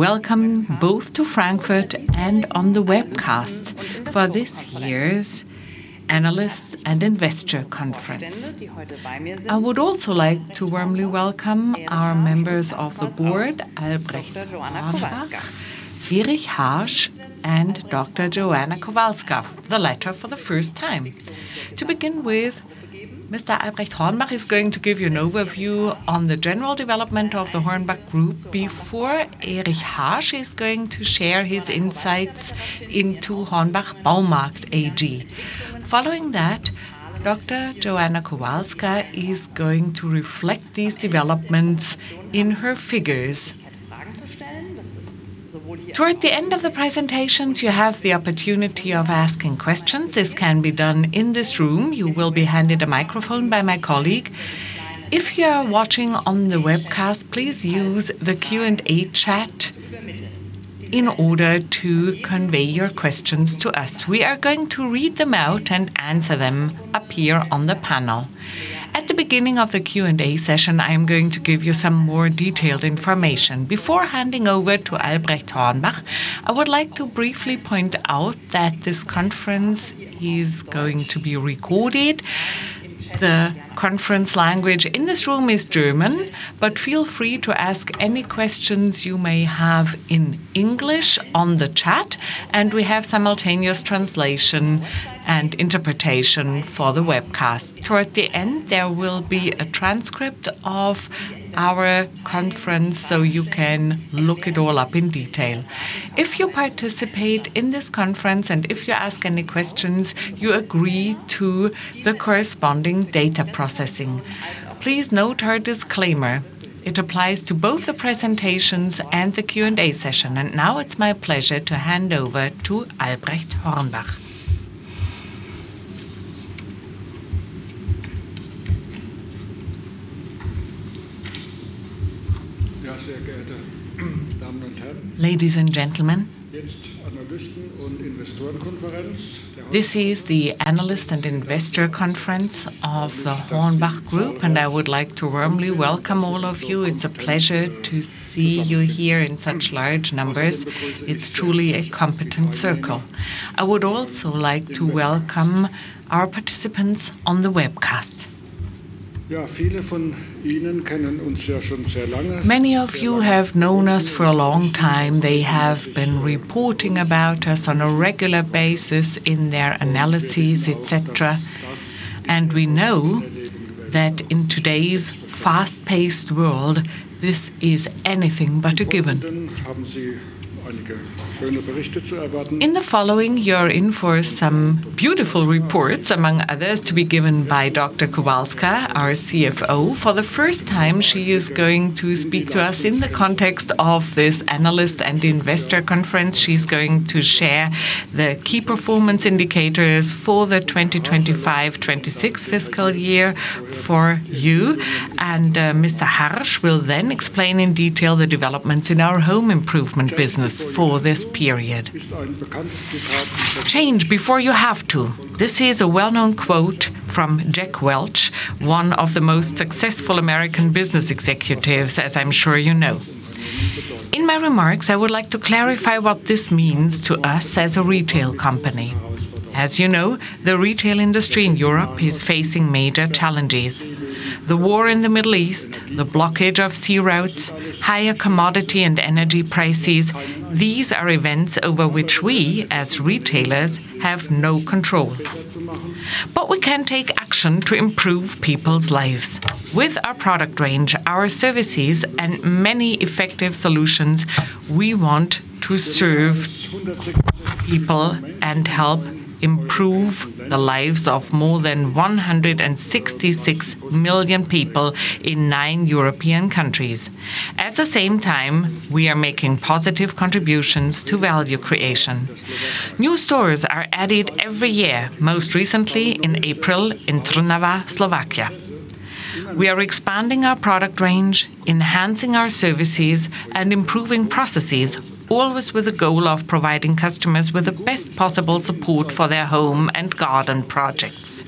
Welcome both to Frankfurt and on the webcast for this year's Analyst and Investor Conference. I would also like to warmly welcome our members of the Board, Albrecht Hornbach, Erich Harsch, and Dr. Joanna Kowalska, the latter for the first time. To begin with, Mr. Albrecht Hornbach is going to give you an overview on the general development of the HORNBACH Group before Erich Harsch is going to share his insights into HORNBACH Baumarkt AG. Following that, Dr. Joanna Kowalska is going to reflect these developments in her figures. Toward the end of the presentations, you have the opportunity of asking questions. This can be done in this room. You will be handed a microphone by my colleague. If you are watching on the webcast, please use the Q&A chat in order to convey your questions to us. We are going to read them out and answer them up here on the panel. At the beginning of the Q&A session, I am going to give you some more detailed information. Before handing over to Albrecht Hornbach, I would like to briefly point out that this conference is going to be recorded. The conference language in this room is German, but feel free to ask any questions you may have in English on the chat, and we have simultaneous translation and interpretation for the webcast. Toward the end, there will be a transcript of our conference, so you can look it all up in detail. If you participate in this conference, and if you ask any questions, you agree to the corresponding data processing. Please note our disclaimer. It applies to both the presentations and the Q&A session. Now it's my pleasure to hand over to Albrecht Hornbach. Ladies and gentlemen, this is the Analyst and Investor Conference of the HORNBACH Group, and I would like to warmly welcome all of you. It's a pleasure to see you here in such large numbers. It's truly a competent circle. I would also like to welcome our participants on the webcast. Many of you have known us for a long time. They have been reporting about us on a regular basis in their analyses, et cetera. We know that in today's fast-paced world, this is anything but a given. In the following, you're in for some beautiful reports, among others, to be given by Dr. Kowalska, our CFO. For the first time, she is going to speak to us in the context of this Analyst and Investor Conference. She's going to share the key performance indicators for the 2025/2026 fiscal year for you. Mr. Harsch will then explain in detail the developments in our home improvement business for this period. "Change before you have to." This is a well-known quote from Jack Welch, one of the most successful American business executives, as I'm sure you know. In my remarks, I would like to clarify what this means to us as a retail company. As you know, the retail industry in Europe is facing major challenges. The war in the Middle East, the blockage of sea routes, higher commodity and energy prices, these are events over which we, as retailers, have no control. We can take action to improve people's lives. With our product range, our services, and many effective solutions, we want to serve people and help improve the lives of more than 166 million people in nine European countries. At the same time, we are making positive contributions to value creation. New stores are added every year, most recently in April in Trnava, Slovakia. We are expanding our product range, enhancing our services, and improving processes, always with the goal of providing customers with the best possible support for their home and garden projects.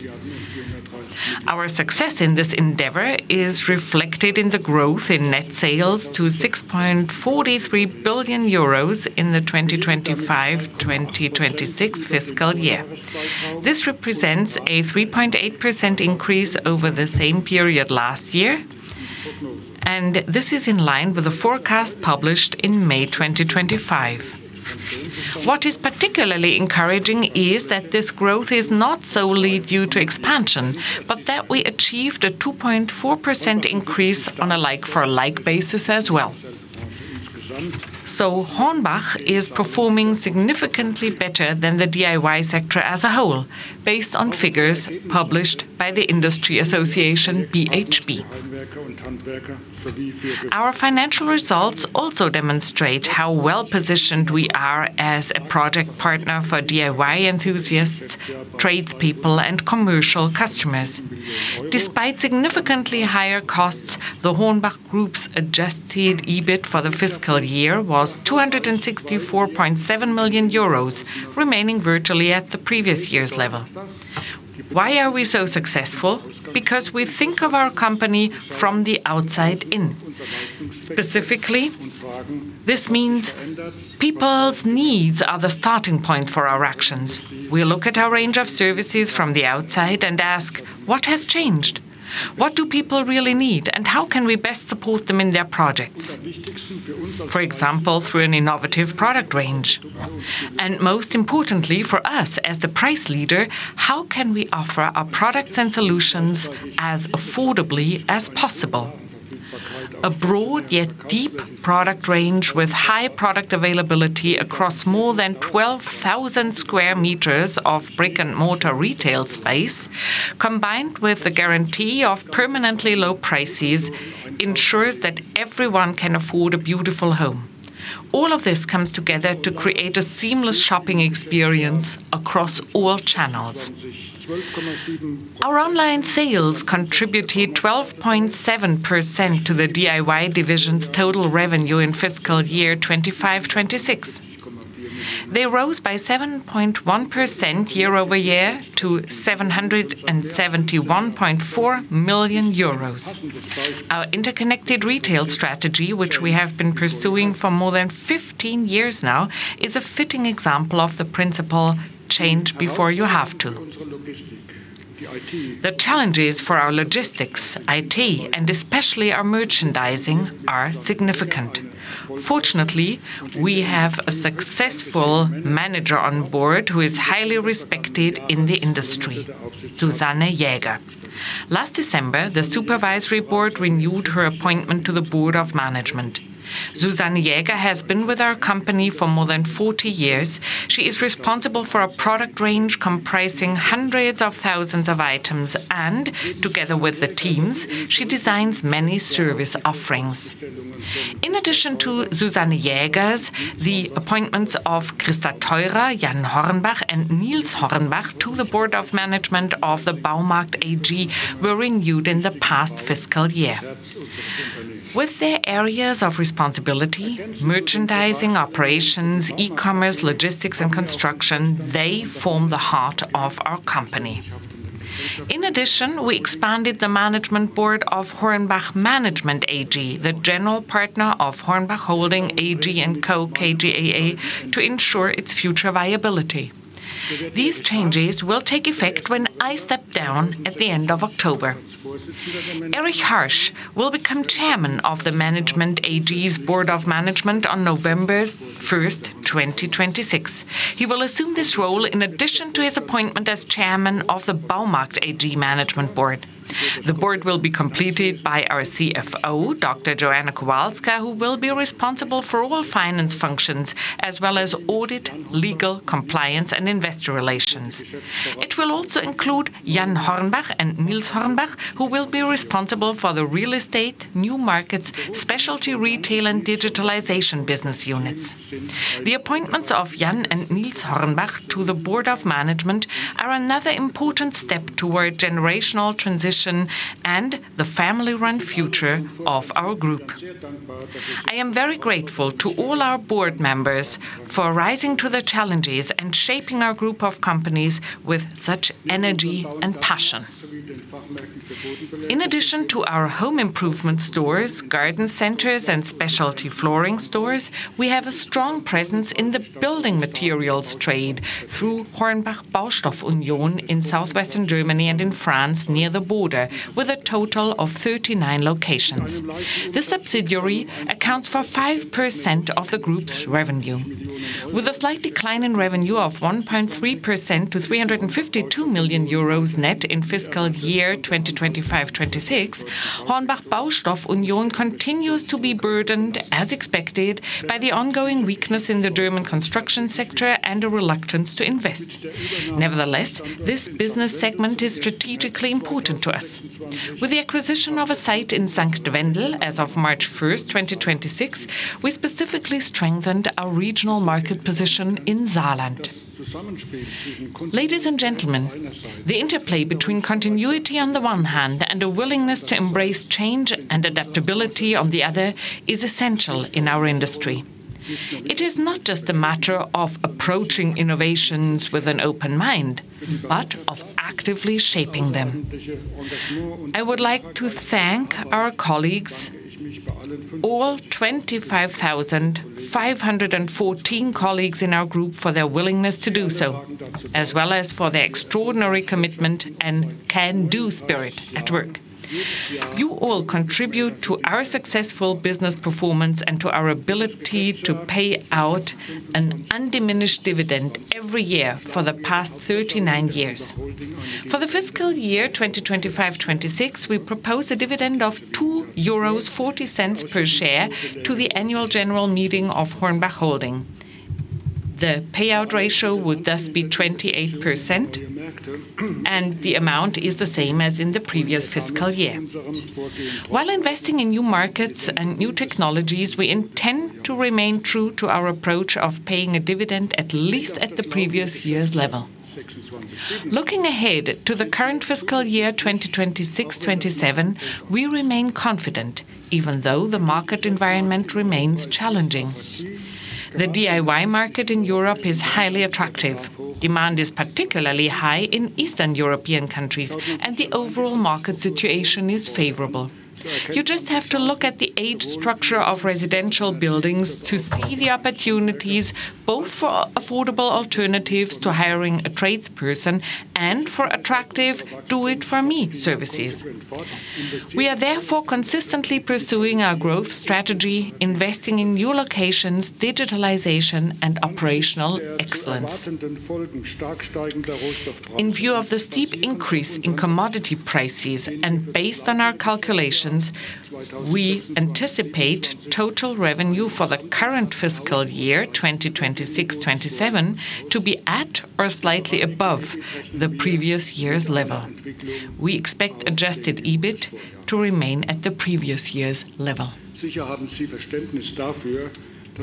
Our success in this endeavor is reflected in the growth in net sales to 6.43 billion euros in the 2025/2026 fiscal year. This represents a 3.8% increase over the same period last year. This is in line with the forecast published in May 2025. What is particularly encouraging is that this growth is not solely due to expansion, but that we achieved a 2.4% increase on a like-for-like basis as well. HORNBACH is performing significantly better than the DIY sector as a whole based on figures published by the Industry Association BHB. Our financial results also demonstrate how well-positioned we are as a project partner for DIY enthusiasts, tradespeople, and commercial customers. Despite significantly higher costs, the HORNBACH Group's adjusted EBIT for the fiscal year was 264.7 million euros, remaining virtually at the previous year's level. Why are we so successful? Because we think of our company from the outside in. Specifically, this means people's needs are the starting point for our actions. We look at our range of services from the outside and ask, "What has changed? What do people really need, and how can we best support them in their projects?" For example, through an innovative product range. Most importantly for us, as the price leader, how can we offer our products and solutions as affordably as possible? A broad, yet deep product range with high product availability across more than 12,000 sq m of brick-and-mortar retail space, combined with the guarantee of permanently low prices ensures that everyone can afford a beautiful home. All of this comes together to create a seamless shopping experience across all channels. Our online sales contributed 12.7% to the DIY division's total revenue in fiscal year 2025/2026. They rose by 7.1% year-over-year to 771.4 million euros. Our interconnected retail strategy, which we have been pursuing for more than 15 years now, is a fitting example of the principle change before you have to. The challenges for our logistics, IT, and especially our merchandising are significant. Fortunately, we have a successful manager on board who is highly respected in the industry, Susanne Jäger. Last December, the supervisory board renewed her appointment to the board of management. Susanne Jäger has been with our company for more than 40 years. She is responsible for a product range comprising hundreds of thousands of items and, together with the teams, she designs many service offerings. In addition to Susanne Jäger, the appointments of Christa Theurer, Jan Hornbach, and Nils Hornbach to the board of management of the Baumarkt AG were renewed in the past fiscal year. With their areas of responsibility, merchandising, operations, e-commerce, logistics, and construction, they form the heart of our company. In addition, we expanded the management board of HORNBACH Management AG, the general partner of HORNBACH Holding AG & Co. KGaA to ensure its future viability. These changes will take effect when I step down at the end of October. Erich Harsch will become chairman of the Management AG's board of management on November 1st, 2026. He will assume this role in addition to his appointment as chairman of the Baumarkt AG management board. The board will be completed by our CFO, Dr. Joanna Kowalska, who will be responsible for all finance functions as well as audit, legal, compliance, and investor relations. It will also include Jan Hornbach and Nils Hornbach, who will be responsible for the real estate, new markets, specialty retail, and digitalization business units. The appointments of Jan and Nils Hornbach to the board of management are another important step toward generational transition and the family-run future of our HORNBACH Group. I am very grateful to all our board members for rising to the challenges and shaping our group of companies with such energy and passion. In addition to our home improvement stores, garden centers, and specialty flooring stores, we have a strong presence in the building materials trade through HORNBACH Baustoff Union in southwestern Germany and in France near the border, with a total of 39 locations. This subsidiary accounts for 5% of the group's revenue. With a slight decline in revenue of 1.3% to 352 million euros net in fiscal year 2025/2026, HORNBACH Baustoff Union continues to be burdened, as expected, by the ongoing weakness in the German construction sector and a reluctance to invest. Nevertheless, this business segment is strategically important to us. With the acquisition of a site in Sankt Wendel, as of March 1st, 2026, we specifically strengthened our regional market position in Saarland. Ladies and gentlemen, the interplay between continuity on the one hand and a willingness to embrace change and adaptability on the other is essential in our industry. It is not just a matter of approaching innovations with an open mind, but of actively shaping them. I would like to thank our colleagues, all 25,514 colleagues in our Group, for their willingness to do so, as well as for their extraordinary commitment and can-do spirit at work. You all contribute to our successful business performance and to our ability to pay out an undiminished dividend every year for the past 39 years. For the fiscal year 2025/2026, we propose a dividend of 2.40 euros per share to the annual general meeting of HORNBACH Holding. The payout ratio would thus be 28%, and the amount is the same as in the previous fiscal year. While investing in new markets and new technologies, we intend to remain true to our approach of paying a dividend at least at the previous year's level. Looking ahead to the current fiscal year, 2026/2027, we remain confident, even though the market environment remains challenging. The DIY market in Europe is highly attractive. Demand is particularly high in Eastern European countries, the overall market situation is favorable. You just have to look at the age structure of residential buildings to see the opportunities, both for affordable alternatives to hiring a tradesperson and for attractive do-it-for-me services. We are therefore consistently pursuing our growth strategy, investing in new locations, digitalization, and operational excellence. In view of the steep increase in commodity prices and based on our calculations, we anticipate total revenue for the current fiscal year, 2026/2027, to be at or slightly above the previous year's level. We expect adjusted EBIT to remain at the previous year's level.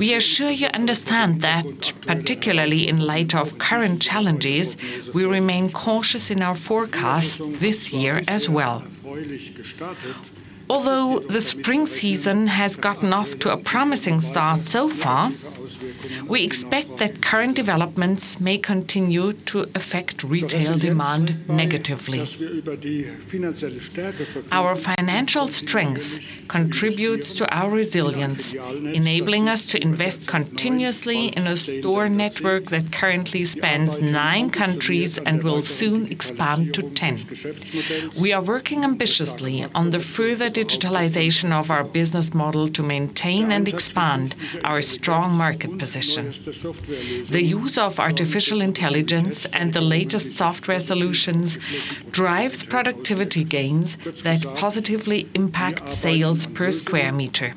We assure you understand that particularly in light of current challenges, we remain cautious in our forecast this year as well. Although the spring season has gotten off to a promising start so far, we expect that current developments may continue to affect retail demand negatively. Our financial strength contributes to our resilience, enabling us to invest continuously in a store network that currently spans nine countries and will soon expand to 10. We are working ambitiously on the further digitalization of our business model to maintain and expand our strong market position. The use of artificial intelligence and the latest software solutions drives productivity gains that positively impact sales per square meter.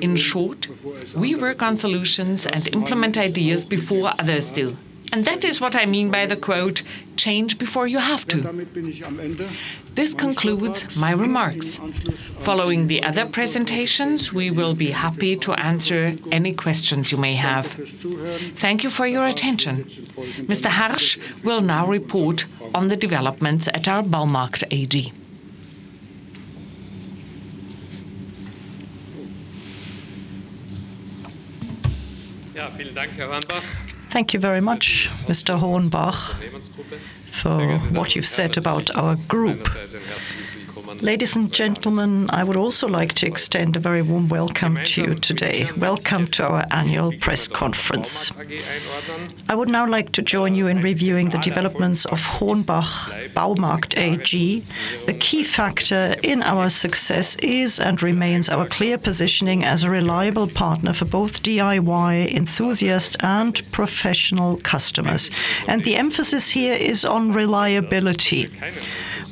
In short, we work on solutions and implement ideas before others do, and that is what I mean by the quote, "Change before you have to." This concludes my remarks. Following the other presentations, we will be happy to answer any questions you may have. Thank you for your attention. Mr. Harsch will now report on the developments at our HORNBACH Baumarkt AG. Thank you very much, Mr. Hornbach, for what you've said about our group. Ladies and gentlemen, I would also like to extend a very warm welcome to you today. Welcome to our annual press conference. I would now like to join you in reviewing the developments of HORNBACH Baumarkt AG. The key factor in our success is and remains our clear positioning as a reliable partner for both DIY enthusiasts and professional customers, and the emphasis here is on reliability.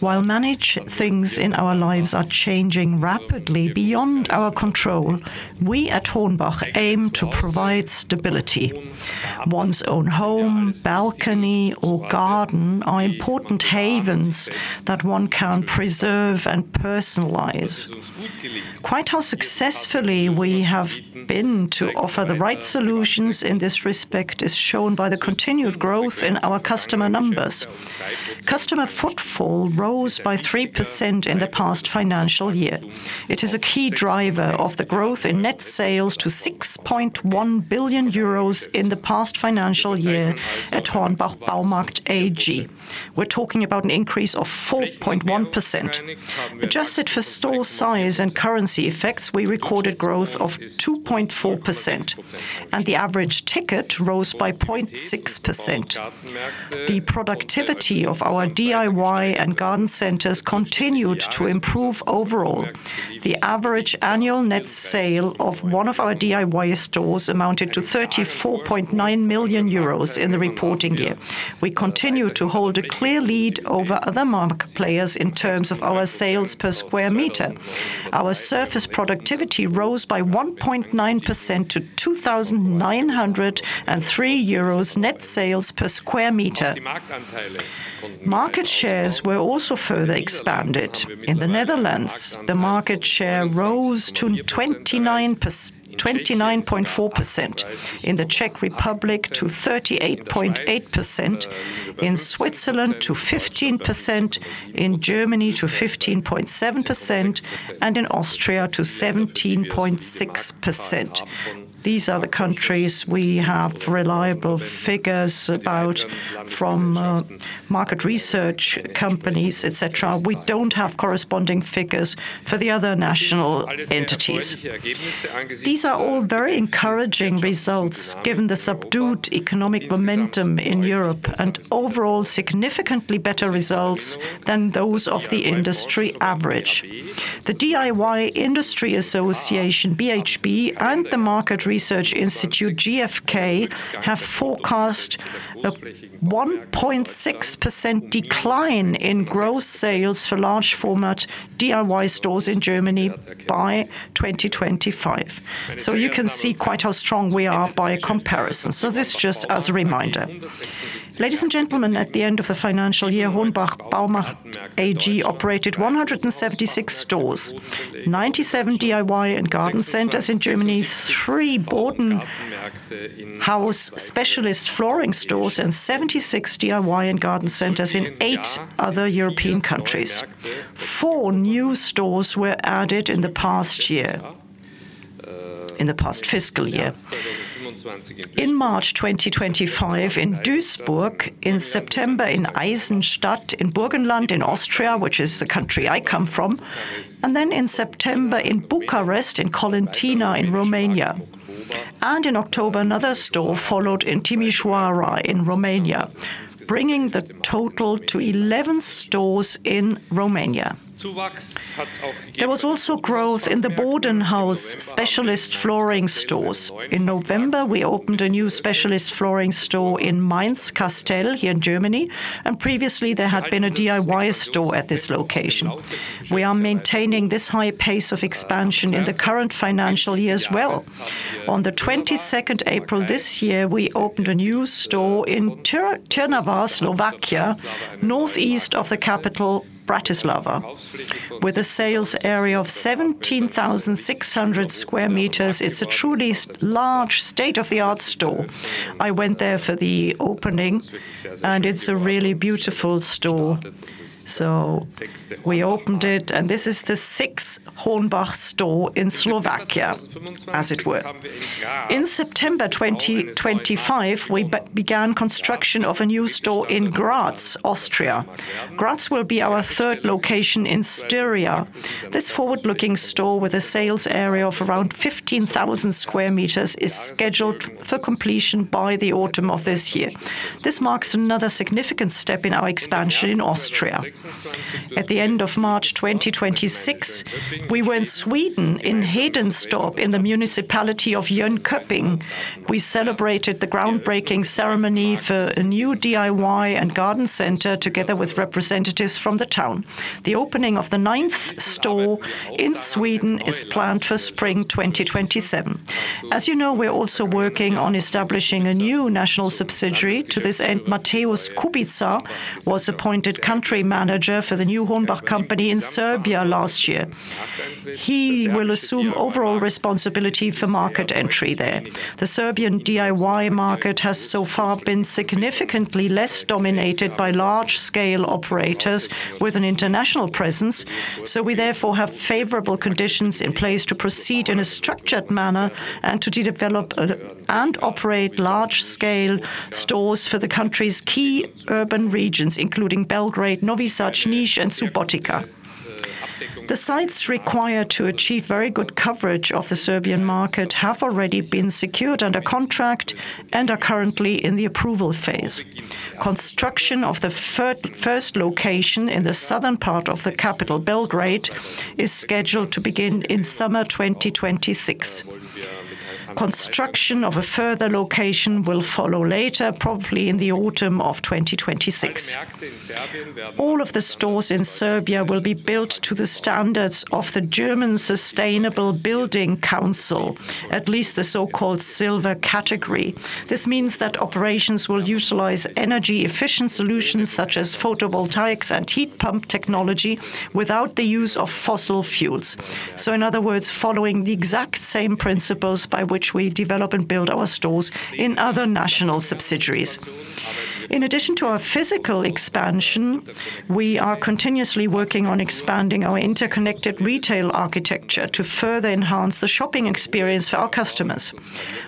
While many things in our lives are changing rapidly beyond our control, we at HORNBACH aim to provide stability. One's own home, balcony or garden are important havens that one can preserve and personalize. Quite how successfully we have been to offer the right solutions in this respect is shown by the continued growth in our customer numbers. Customer footfall rose by 3% in the past financial year. It is a key driver of the growth in net sales to 6.1 billion euros in the past financial year at HORNBACH Baumarkt AG. We're talking about an increase of 4.1%. Adjusted for store size and currency effects, we recorded growth of 2.4%, and the average ticket rose by 0.6%. The productivity of our DIY and garden centers continued to improve overall. The average annual net sale of one of our DIY stores amounted to 34.9 million euros in the reporting year. We continue to hold a clear lead over other market players in terms of our sales per square meter. Our surface productivity rose by 1.9% to 2,903 euros net sales per square meter. Market shares were also further expanded. In the Netherlands, the market share rose to 29.4%, in the Czech Republic to 38.8%, in Switzerland to 15%, in Germany to 15.7%, and in Austria to 17.6%. These are the countries we have reliable figures about from market research companies, et cetera. We don't have corresponding figures for the other national entities. These are all very encouraging results given the subdued economic momentum in Europe and overall significantly better results than those of the industry average. The DIY Industry Association, BHB, and the market research institute GfK have forecast a 1.6% decline in gross sales for large format DIY stores in Germany by 2025. You can see quite how strong we are by a comparison, so this just as a reminder. Ladies and gentlemen, at the end of the financial year, HORNBACH Baumarkt AG operated 176 stores, 97 DIY and garden centers in Germany, three Bodenhaus specialist flooring stores, and 76 DIY and garden centers in eight other European countries. Four new stores were added in the past year. In the past fiscal year. In March 2025 in Duisburg, in September in Eisenstadt, in Burgenland in Austria, which is the country I come from. In September in Bucharest, in Colentina in Romania. In October, another store followed in Timișoara in Romania, bringing the total to 11 stores in Romania. There was also growth in the Bodenhaus specialist flooring stores. In November, we opened a new specialist flooring store in Mainz-Kastel here in Germany, and previously there had been a DIY store at this location. We are maintaining this high pace of expansion in the current financial year as well. On the April 22nd, 2026 this year, we opened a new store in Trnava, Slovakia, northeast of the capital Bratislava. With a sales area of 17,600 sq meters, it's a truly large state-of-the-art store. I went there for the opening and it's a really beautiful store. We opened it, and this is the sixth HORNBACH store in Slovakia, as it were. In September 2025, we began construction of a new store in Graz, Austria. Graz will be our third location in Styria. This forward-looking store with a sales area of around 15,000 sq meters is scheduled for completion by the autumn of this year. This marks another significant step in our expansion in Austria. At the end of March 2026, we were in Sweden in Hedenstorp, in the municipality of Jönköping. We celebrated the groundbreaking ceremony for a new DIY and garden center together with representatives from the town. The opening of the ninth store in Sweden is planned for spring 2027. As you know, we're also working on establishing a new national subsidiary. To this end, Matthäus Kubica was appointed country manager for the new HORNBACH company in Serbia last year. He will assume overall responsibility for market entry there. The Serbian DIY market has so far been significantly less dominated by large-scale operators with an international presence. We therefore have favorable conditions in place to proceed in a structured manner and to develop and operate large-scale stores for the country's key urban regions, including Belgrade, Novi Sad, Niš, and Subotica. The sites required to achieve very good coverage of the Serbian market have already been secured under contract and are currently in the approval phase. Construction of the first location in the southern part of the capital Belgrade is scheduled to begin in summer 2026. Construction of a further location will follow later, probably in the autumn of 2026. All of the stores in Serbia will be built to the standards of the German Sustainable Building Council, at least the so-called silver category. This means that operations will utilize energy-efficient solutions such as photovoltaics and heat pump technology without the use of fossil fuels. In other words, following the exact same principles by which we develop and build our stores in other national subsidiaries. In addition to our physical expansion, we are continuously working on expanding our interconnected retail architecture to further enhance the shopping experience for our customers.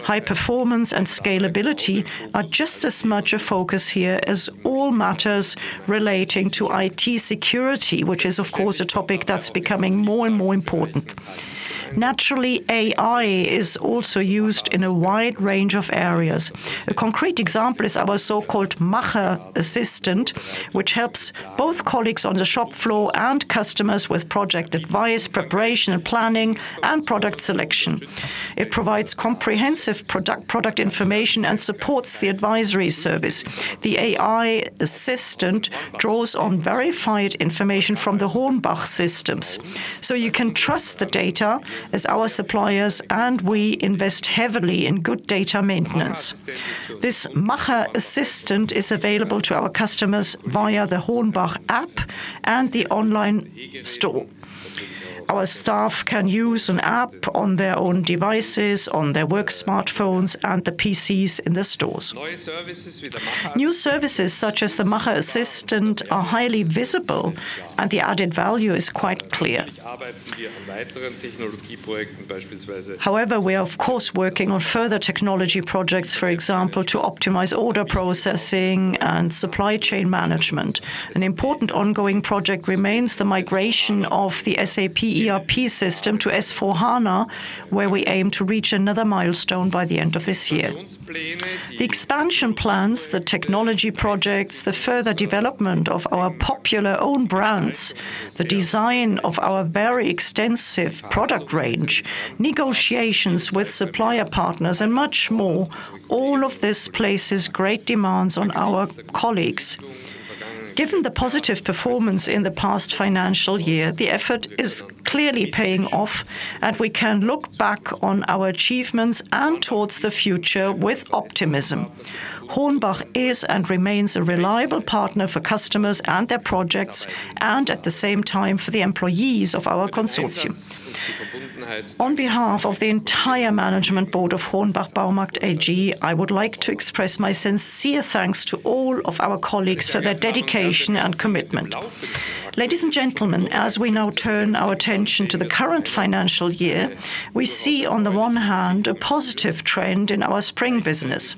High performance and scalability are just as much a focus here as all matters relating to IT security, which is of course a topic that's becoming more and more important. Naturally, AI is also used in a wide range of areas. A concrete example is our so-called MACHER Assistent, which helps both colleagues on the shop floor and customers with project advice, preparation and planning, and product selection. It provides comprehensive product information and supports the advisory service. The AI assistant draws on verified information from the HORNBACH systems, so you can trust the data as our suppliers and we invest heavily in good data maintenance. This MACHER Assistent is available to our customers via the HORNBACH app and the online store. Our staff can use an app on their own devices, on their work smartphones, and the PCs in the stores. New services such as the MACHER Assistent are highly visible and the added value is quite clear. However, we are of course working on further technology projects, for example, to optimize order processing and supply chain management. An important ongoing project remains the migration of the SAP ERP system to S/4HANA, where we aim to reach another milestone by the end of this year. The expansion plans, the technology projects, the further development of our popular own brands, the design of our very extensive product range, negotiations with supplier partners and much more, all of this places great demands on our colleagues. Given the positive performance in the past financial year, the effort is clearly paying off and we can look back on our achievements and towards the future with optimism. HORNBACH is and remains a reliable partner for customers and their projects and at the same time for the employees of our consortium. On behalf of the entire management board of HORNBACH Baumarkt AG, I would like to express my sincere thanks to all of our colleagues for their dedication and commitment. Ladies and gentlemen, as we now turn our attention to the current financial year, we see on the one hand a positive trend in our spring business.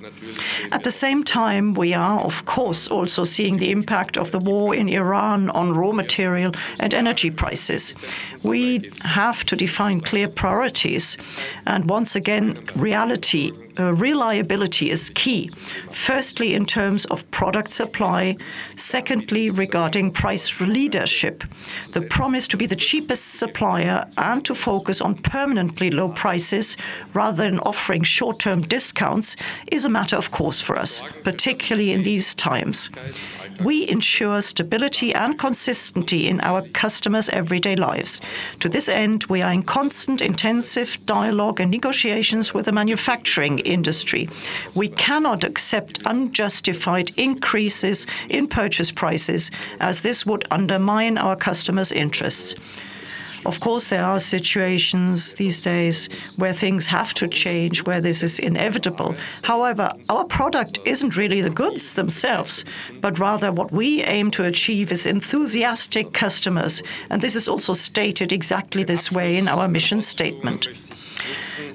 At the same time, we are of course also seeing the impact of the war in Ukraine on raw material and energy prices. We have to define clear priorities and once again reliability is key. Firstly, in terms of product supply. Secondly, regarding price leadership. The promise to be the cheapest supplier and to focus on permanently low prices rather than offering short-term discounts is a matter of course for us, particularly in these times. We ensure stability and consistency in our customers' everyday lives. To this end, we are in constant intensive dialogue and negotiations with the manufacturing industry. We cannot accept unjustified increases in purchase prices as this would undermine our customers' interests. Of course, there are situations these days where things have to change, where this is inevitable. However, our product isn't really the goods themselves, but rather what we aim to achieve is enthusiastic customers, and this is also stated exactly this way in our mission statement.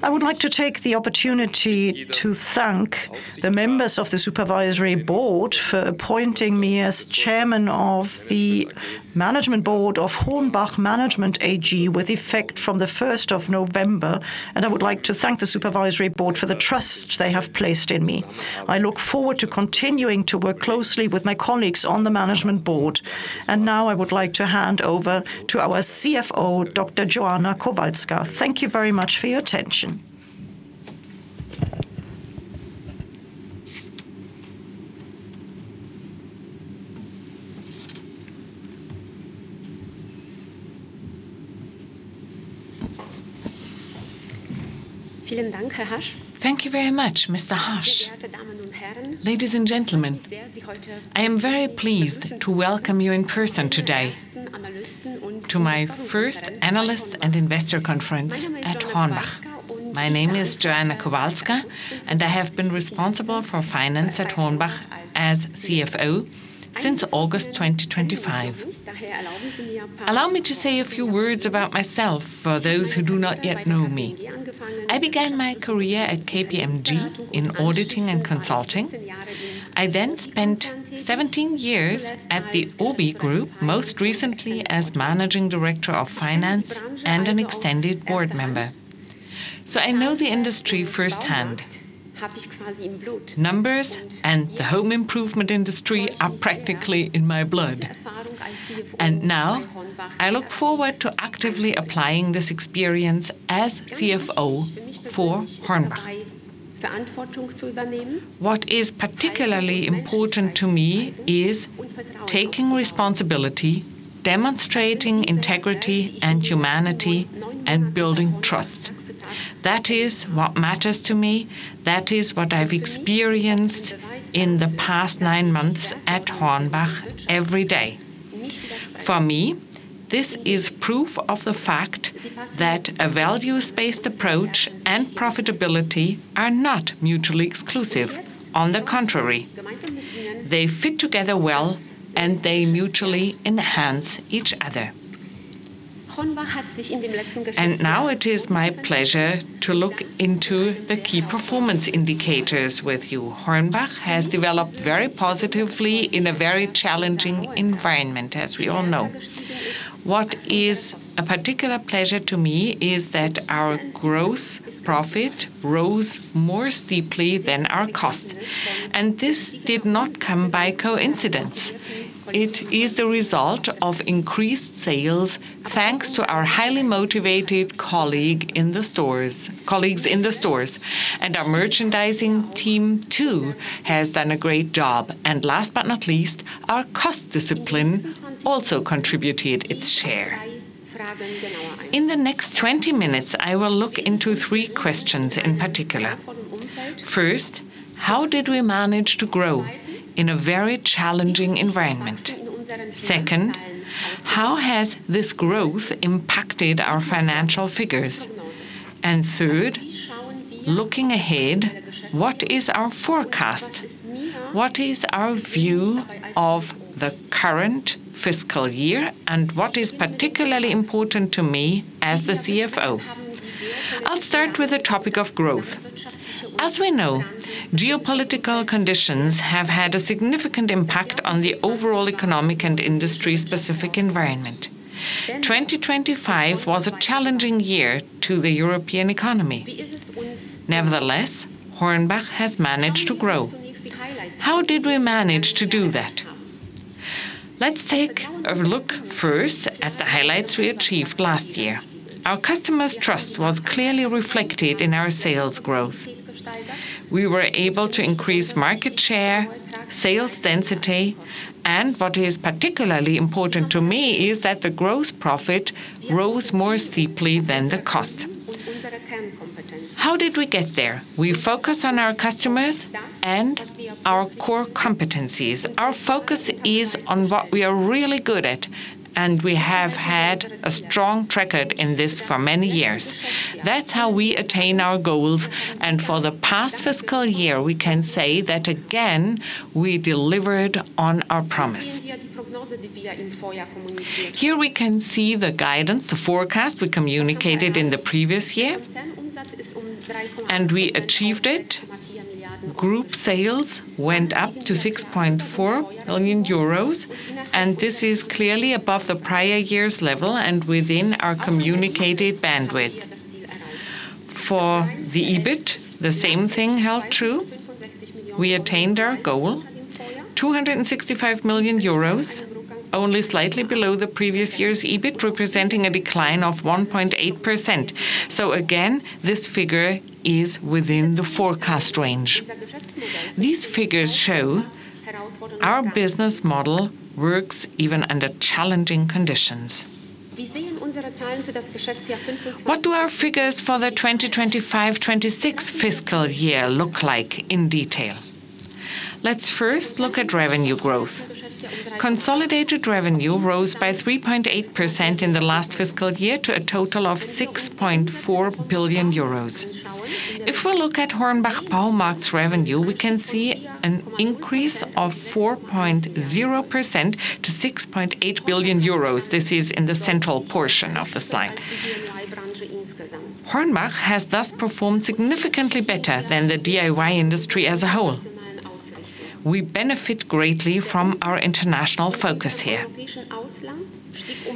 I would like to take the opportunity to thank the members of the supervisory board for appointing me as Chairman of the Management Board of HORNBACH Management AG with effect from the November 1st, I would like to thank the supervisory board for the trust they have placed in me. I look forward to continuing to work closely with my colleagues on the management board. Now I would like to hand over to our CFO, Dr. Joanna Kowalska. Thank you very much for your attention. Thank you very much, Mr. Harsch. Ladies and gentlemen, I am very pleased to welcome you in person today to my first analyst and investor conference at HORNBACH. My name is Joanna Kowalska, I have been responsible for finance at HORNBACH as CFO since August, 2025. Allow me to say a few words about myself for those who do not yet know me. I began my career at KPMG in auditing and consulting. I spent 17 years at the OBI Group, most recently as Managing Director of Finance and an extended board member. I know the industry firsthand. Numbers and the home improvement industry are practically in my blood. Now I look forward to actively applying this experience as CFO for HORNBACH. What is particularly important to me is taking responsibility, demonstrating integrity and humanity, and building trust. That is what matters to me. That is what I've experienced in the past nine months at HORNBACH every day. For me, this is proof of the fact that a values-based approach and profitability are not mutually exclusive. On the contrary, they fit together well, and they mutually enhance each other. Now it is my pleasure to look into the key performance indicators with you. HORNBACH has developed very positively in a very challenging environment, as we all know. What is a particular pleasure to me is that our gross profit rose more steeply than our cost, and this did not come by coincidence. It is the result of increased sales thanks to our highly motivated colleagues in the stores, and our merchandising team too has done a great job. Last but not least, our cost discipline also contributed its share. In the next 20 minutes, I will look into three questions in particular. First, how did we manage to grow in a very challenging environment? Second, how has this growth impacted our financial figures? Third, looking ahead, what is our forecast? What is our view of the current fiscal year, and what is particularly important to me as the CFO? I'll start with the topic of growth. As we know, geopolitical conditions have had a significant impact on the overall economic and industry-specific environment. 2025 was a challenging year to the European economy. Nevertheless, HORNBACH has managed to grow. How did we manage to do that? Let's take a look first at the highlights we achieved last year. Our customers' trust was clearly reflected in our sales growth. We were able to increase market share, sales density, and what is particularly important to me is that the gross profit rose more steeply than the cost. How did we get there? We focus on our customers and our core competencies. Our focus is on what we are really good at, and we have had a strong track record in this for many years. That's how we attain our goals. For the past fiscal year, we can say that again, we delivered on our promise. Here we can see the guidance, the forecast we communicated in the previous year, and we achieved it. Group sales went up to 6.4 billion euros, and this is clearly above the prior year's level and within our communicated bandwidth. For the EBIT, the same thing held true. We attained our goal, 265 million euros, only slightly below the previous year's EBIT, representing a decline of 1.8%. Again, this figure is within the forecast range. These figures show our business model works even under challenging conditions. What do our figures for the 2025/2026 fiscal year look like in detail? Let's first look at revenue growth. Consolidated revenue rose by 3.8% in the last fiscal year to a total of 6.4 billion euros. If we look at HORNBACH Baumarkt's revenue, we can see an increase of 4.0% to 6.8 billion euros. This is in the central portion of the slide. HORNBACH has thus performed significantly better than the DIY industry as a whole. We benefit greatly from our international focus here.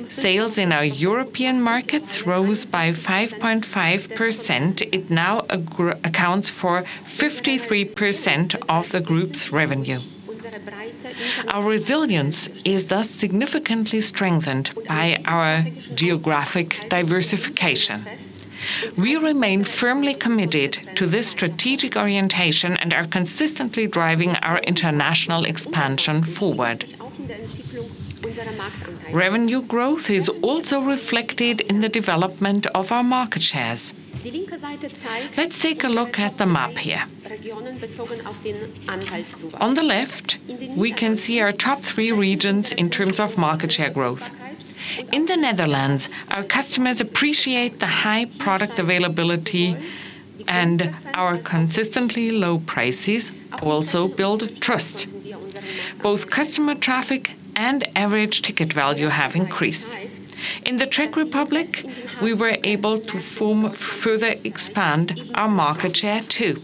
Sales in our European markets rose by 5.5%. It now accounts for 53% of the group's revenue. Our resilience is thus significantly strengthened by our geographic diversification. We remain firmly committed to this strategic orientation and are consistently driving our international expansion forward. Revenue growth is also reflected in the development of our market shares. Let's take a look at the map here. On the left, we can see our top three regions in terms of market share growth. In the Netherlands, our customers appreciate the high product availability, and our consistently low prices also build trust. Both customer traffic and average ticket value have increased. In the Czech Republic, we were able to further expand our market share too.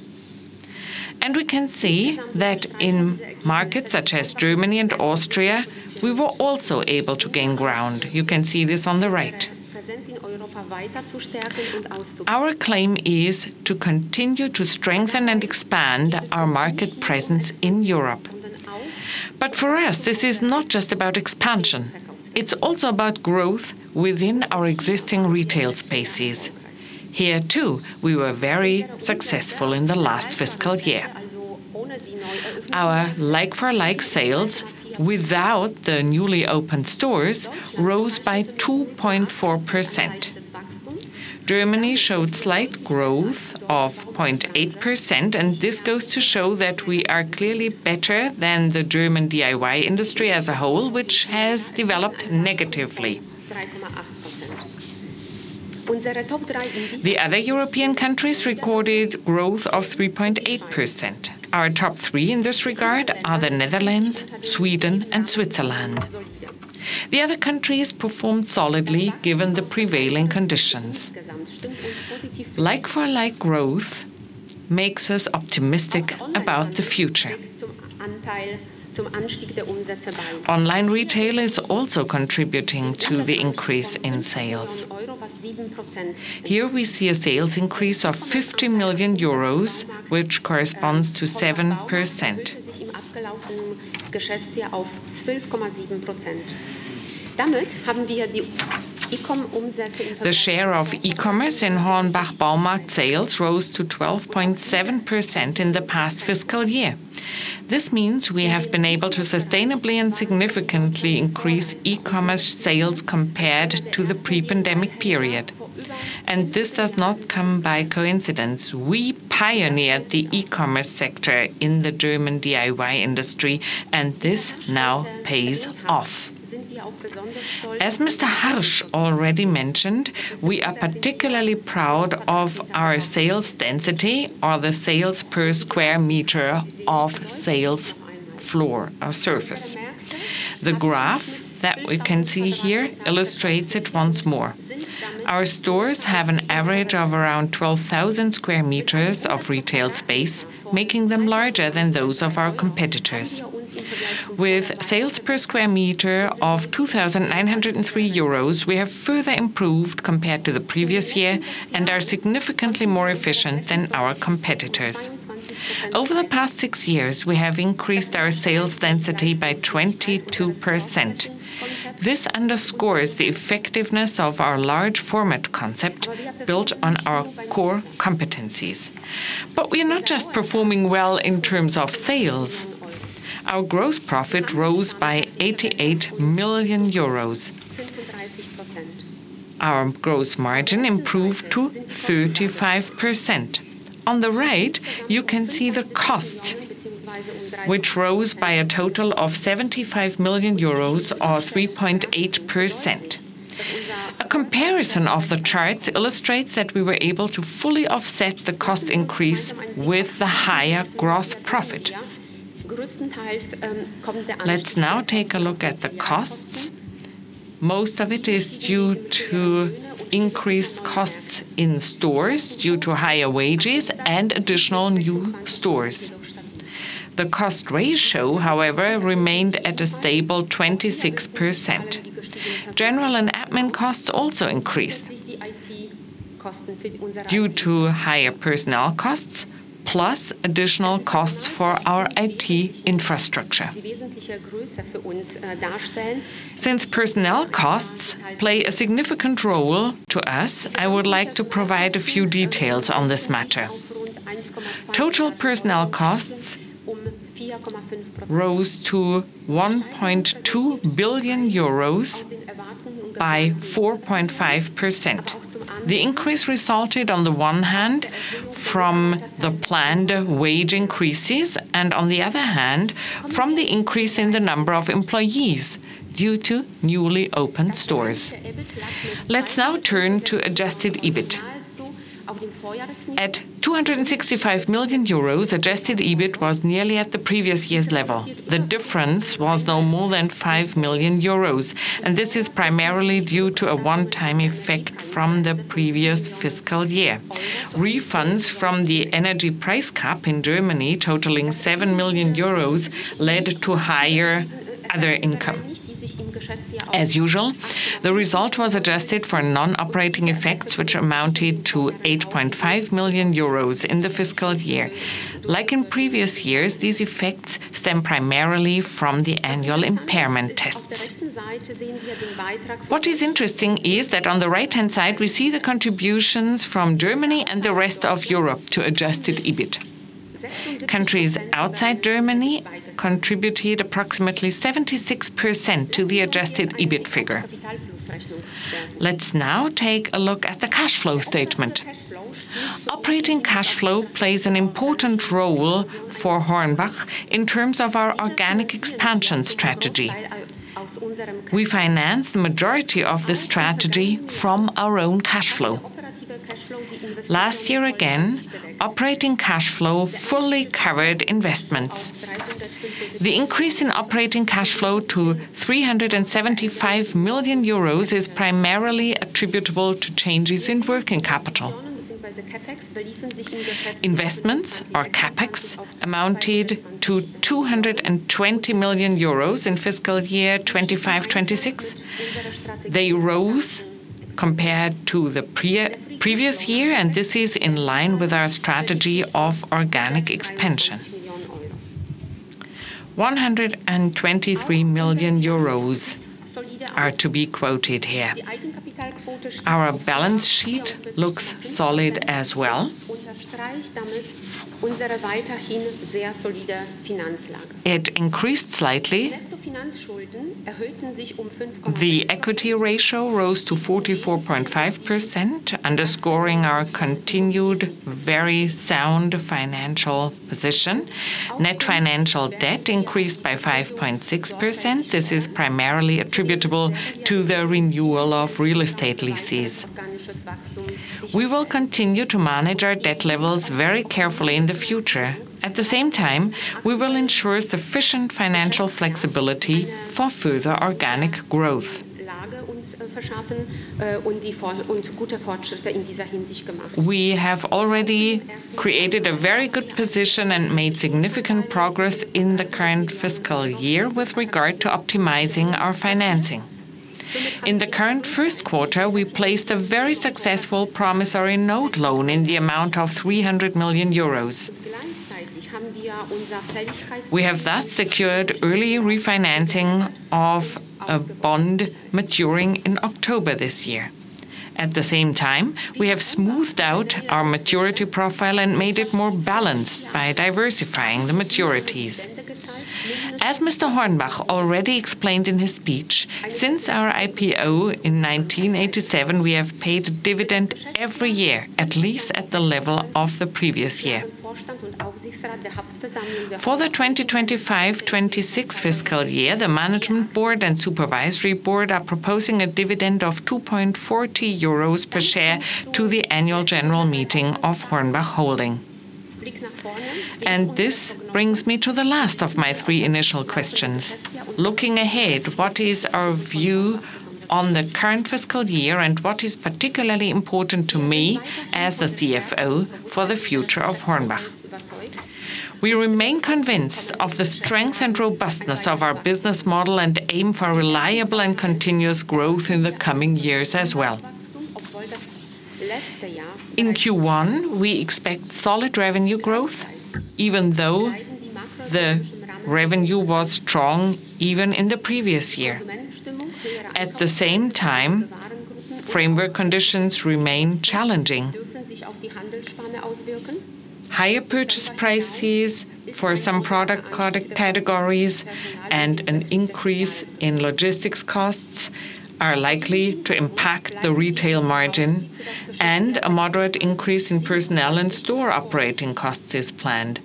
We can see that in markets such as Germany and Austria, we were also able to gain ground. You can see this on the right. Our claim is to continue to strengthen and expand our market presence in Europe. For us, this is not just about expansion. It's also about growth within our existing retail spaces. Here too, we were very successful in the last fiscal year. Our like-for-like sales without the newly opened stores rose by 2.4%. Germany showed slight growth of 0.8%, and this goes to show that we are clearly better than the German DIY industry as a whole, which has developed negatively. The other European countries recorded growth of 3.8%. Our top three in this regard are the Netherlands, Sweden, and Switzerland. The other countries performed solidly given the prevailing conditions. Like-for-like growth makes us optimistic about the future. Online retail is also contributing to the increase in sales. Here we see a sales increase of 50 million euros, which corresponds to 7%. The share of e-commerce in HORNBACH Baumarkt sales rose to 12.7% in the past fiscal year. This means we have been able to sustainably and significantly increase e-commerce sales compared to the pre-pandemic period, and this does not come by coincidence. We pioneered the e-commerce sector in the German DIY industry, and this now pays off. As Mr. Harsch already mentioned, we are particularly proud of our sales density or the sales per sq meter of sales floor or surface. The graph that we can see here illustrates it once more. Our stores have an average of around 12,000 sq meters of retail space, making them larger than those of our competitors. With sales per square meter of 2,903 euros, we have further improved compared to the previous year and are significantly more efficient than our competitors. Over the past six years, we have increased our sales density by 22%. This underscores the effectiveness of our large format concept built on our core competencies. We are not just performing well in terms of sales. Our gross profit rose by 88 million euros. Our gross margin improved to 35%. On the right, you can see the cost, which rose by a total of 75 million euros or 3.8%. A comparison of the charts illustrates that we were able to fully offset the cost increase with the higher gross profit. Let's now take a look at the costs. Most of it is due to increased costs in stores due to higher wages and additional new stores. The cost ratio, however, remained at a stable 26%. General and admin costs also increased due to higher personnel costs, plus additional costs for our IT infrastructure. Since personnel costs play a significant role to us, I would like to provide a few details on this matter. Total personnel costs rose to 1.2 billion euros by 4.5%. The increase resulted on the one hand from the planned wage increases and on the other hand from the increase in the number of employees due to newly opened stores. Let's now turn to adjusted EBIT. At 265 million euros, adjusted EBIT was nearly at the previous year's level. The difference was no more than 5 million euros. This is primarily due to a one-time effect from the previous fiscal year. Refunds from the energy price cap in Germany totaling 7 million euros led to higher other income. As usual, the result was adjusted for non-operating effects, which amounted to 8.5 million euros in the fiscal year. Like in previous years, these effects stem primarily from the annual impairment test. What is interesting is that on the right-hand side, we see the contributions from Germany and the rest of Europe to adjusted EBIT. Countries outside Germany contributed approximately 76% to the adjusted EBIT figure. Let's now take a look at the cash flow statement. Operating cash flow plays an important role for HORNBACH in terms of our organic expansion strategy. We finance the majority of this strategy from our own cash flow. Last year again, operating cash flow fully covered investments. The increase in operating cash flow to 375 million euros is primarily attributable to changes in working capital. Investments, or CapEx, amounted to 220 million euros in fiscal year 2025/2026. They rose compared to the pre-previous year. This is in line with our strategy of organic expansion. 123 million euros are to be quoted here. Our balance sheet looks solid as well. It increased slightly. The equity ratio rose to 44.5%, underscoring our continued very sound financial position. Net financial debt increased by 5.6%. This is primarily attributable to the renewal of real estate leases. We will continue to manage our debt levels very carefully in the future. At the same time, we will ensure sufficient financial flexibility for further organic growth. We have already created a very good position and made significant progress in the current fiscal year with regard to optimizing our financing. In the current first quarter, we placed a very successful promissory note loan in the amount of 300 million euros. We have thus secured early refinancing of a bond maturing in October this year. At the same time, we have smoothed out our maturity profile and made it more balanced by diversifying the maturities. As Mr. Hornbach already explained in his speech, since our IPO in 1987, we have paid a dividend every year, at least at the level of the previous year. For the 2025, 2026 fiscal year, the management board and supervisory board are proposing a dividend of 2.40 euros per share to the annual general meeting of HORNBACH Holding. This brings me to the last of my three initial questions. Looking ahead, what is our view on the current fiscal year, and what is particularly important to me, as the CFO, for the future of HORNBACH? We remain convinced of the strength and robustness of our business model and aim for reliable and continuous growth in the coming years as well. In Q1, we expect solid revenue growth, even though the revenue was strong even in the previous year. At the same time, framework conditions remain challenging. Higher purchase prices for some product categories and an increase in logistics costs are likely to impact the retail margin, and a moderate increase in personnel and store operating costs is planned.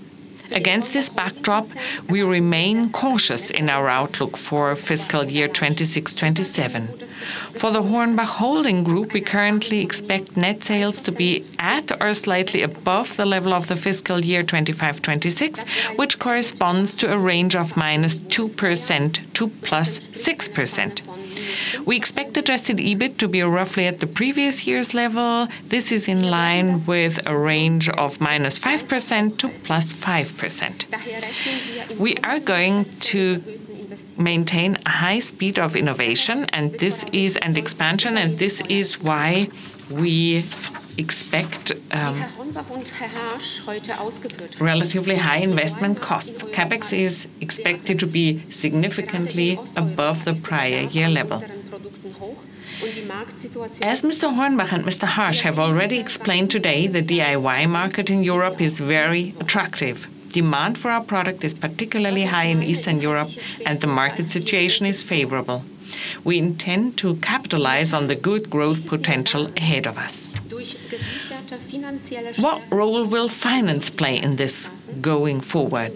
Against this backdrop, we remain cautious in our outlook for fiscal year 2026/2027. For the HORNBACH Holding Group, we currently expect net sales to be at or slightly above the level of the fiscal year 2025/2026, which corresponds to a range of -2% to +6%. We expect adjusted EBIT to be roughly at the previous year's level. This is in line with a range of -5% to +5%. We are going to maintain a high speed of innovation, and this is an expansion, and this is why we expect relatively high investment costs. CapEx is expected to be significantly above the prior year level. As Mr. Hornbach and Mr. Harsch have already explained today, the DIY market in Europe is very attractive. Demand for our product is particularly high in Eastern Europe, and the market situation is favorable. We intend to capitalize on the good growth potential ahead of us. What role will finance play in this going forward?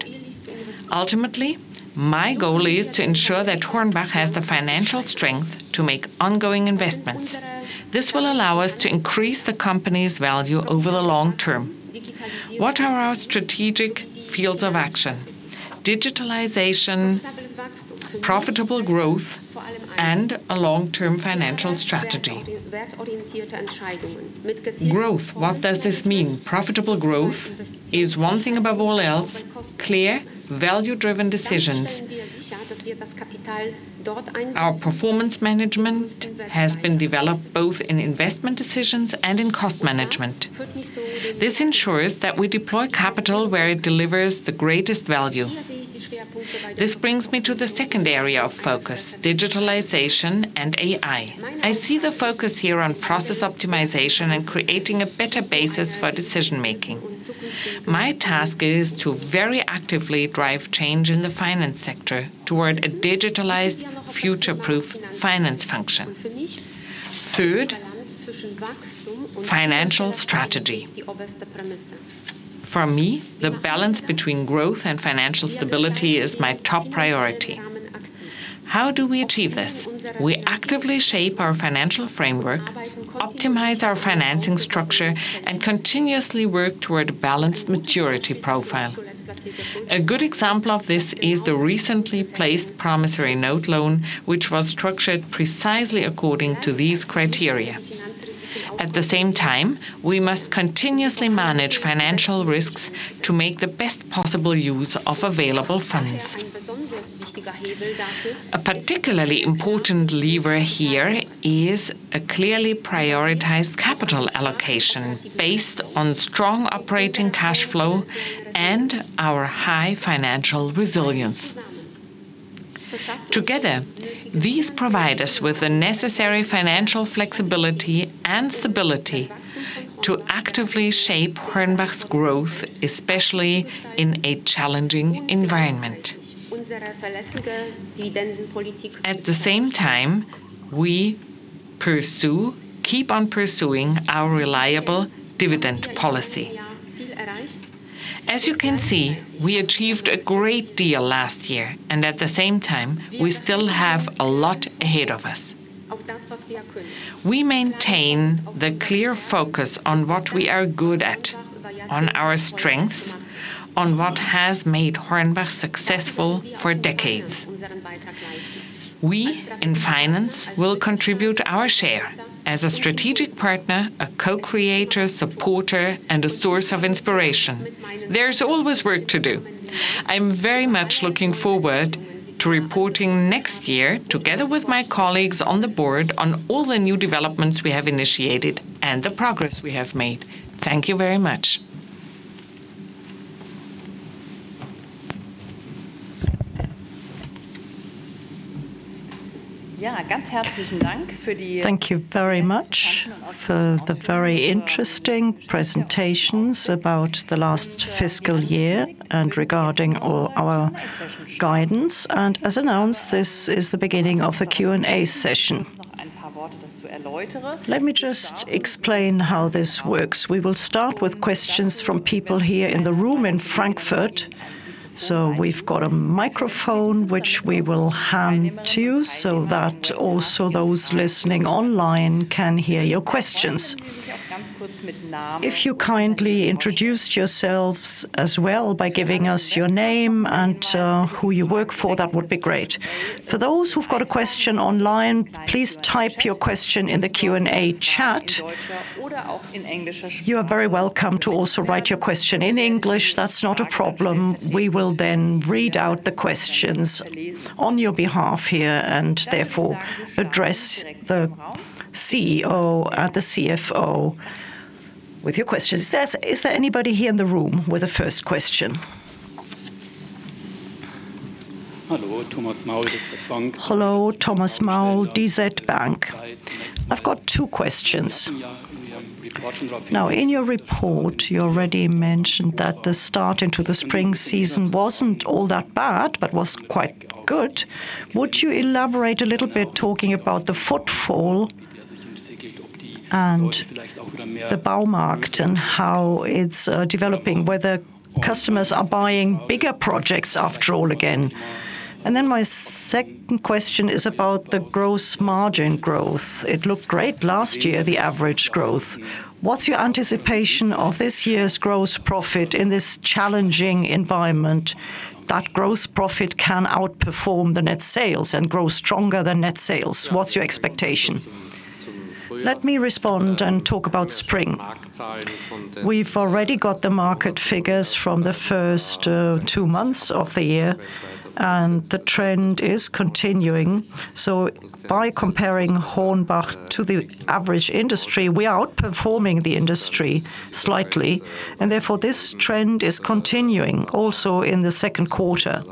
Ultimately, my goal is to ensure that HORNBACH has the financial strength to make ongoing investments. This will allow us to increase the company's value over the long term. What are our strategic fields of action? Digitalization, profitable growth, and a long-term financial strategy. Growth. What does this mean? Profitable growth is one thing above all else, clear value-driven decisions. Our performance management has been developed both in investment decisions and in cost management. This ensures that we deploy capital where it delivers the greatest value. This brings me to the second area of focus. Digitalization and AI. I see the focus here on process optimization and creating a better basis for decision-making. My task is to very actively drive change in the finance sector toward a digitalized future-proof finance function. Third, financial strategy. For me, the balance between growth and financial stability is my top priority. How do we achieve this? We actively shape our financial framework, optimize our financing structure, and continuously work toward a balanced maturity profile. A good example of this is the recently placed promissory note loan, which was structured precisely according to these criteria. At the same time, we must continuously manage financial risks to make the best possible use of available funds. A particularly important lever here is a clearly prioritized capital allocation based on strong operating cash flow and our high financial resilience. Together, these provide us with the necessary financial flexibility and stability to actively shape HORNBACH's growth, especially in a challenging environment. At the same time, we pursue, keep on pursuing our reliable dividend policy. As you can see, we achieved a great deal last year. At the same time we still have a lot ahead of us. We maintain the clear focus on what we are good at, on our strengths, on what has made HORNBACH successful for decades. We in finance will contribute our share as a strategic partner, a co-creator, supporter, and a source of inspiration. There's always work to do. I'm very much looking forward to reporting next year together with my colleagues on the board on all the new developments we have initiated and the progress we have made. Thank you very much. Thank you very much for the very interesting presentations about the last fiscal year and regarding all our guidance. As announced, this is the beginning of the Q&A session. Let me just explain how this works. We will start with questions from people here in the room in Frankfurt. We've got a microphone which we will hand to you so that also those listening online can hear your questions. If you kindly introduced yourselves as well by giving us your name and, who you work for, that would be great. For those who've got a question online, please type your question in the Q&A chat. You are very welcome to also write your question in English. That's not a problem. We will read out the questions on your behalf here and therefore address the CEO and the CFO with your questions. Is there anybody here in the room with a first question? Hello. Thomas Maul, DZ Bank. Hello. Thomas Maul, DZ Bank. I've got two questions. In your report, you already mentioned that the start into the spring season wasn't all that bad, but was quite good. Would you elaborate a little bit talking about the footfall and the Baumarkt and how it's developing, whether customers are buying bigger projects after all again. My second question is about the gross margin growth. It looked great last year, the average growth. What's your anticipation of this year's gross profit in this challenging environment that gross profit can outperform the net sales and grow stronger than net sales? What's your expectation? Let me respond and talk about spring. We've already got the market figures from the first two months of the year, the trend is continuing. By comparing HORNBACH to the average industry, we are outperforming the industry slightly, and therefore, this trend is continuing also in the second quarter.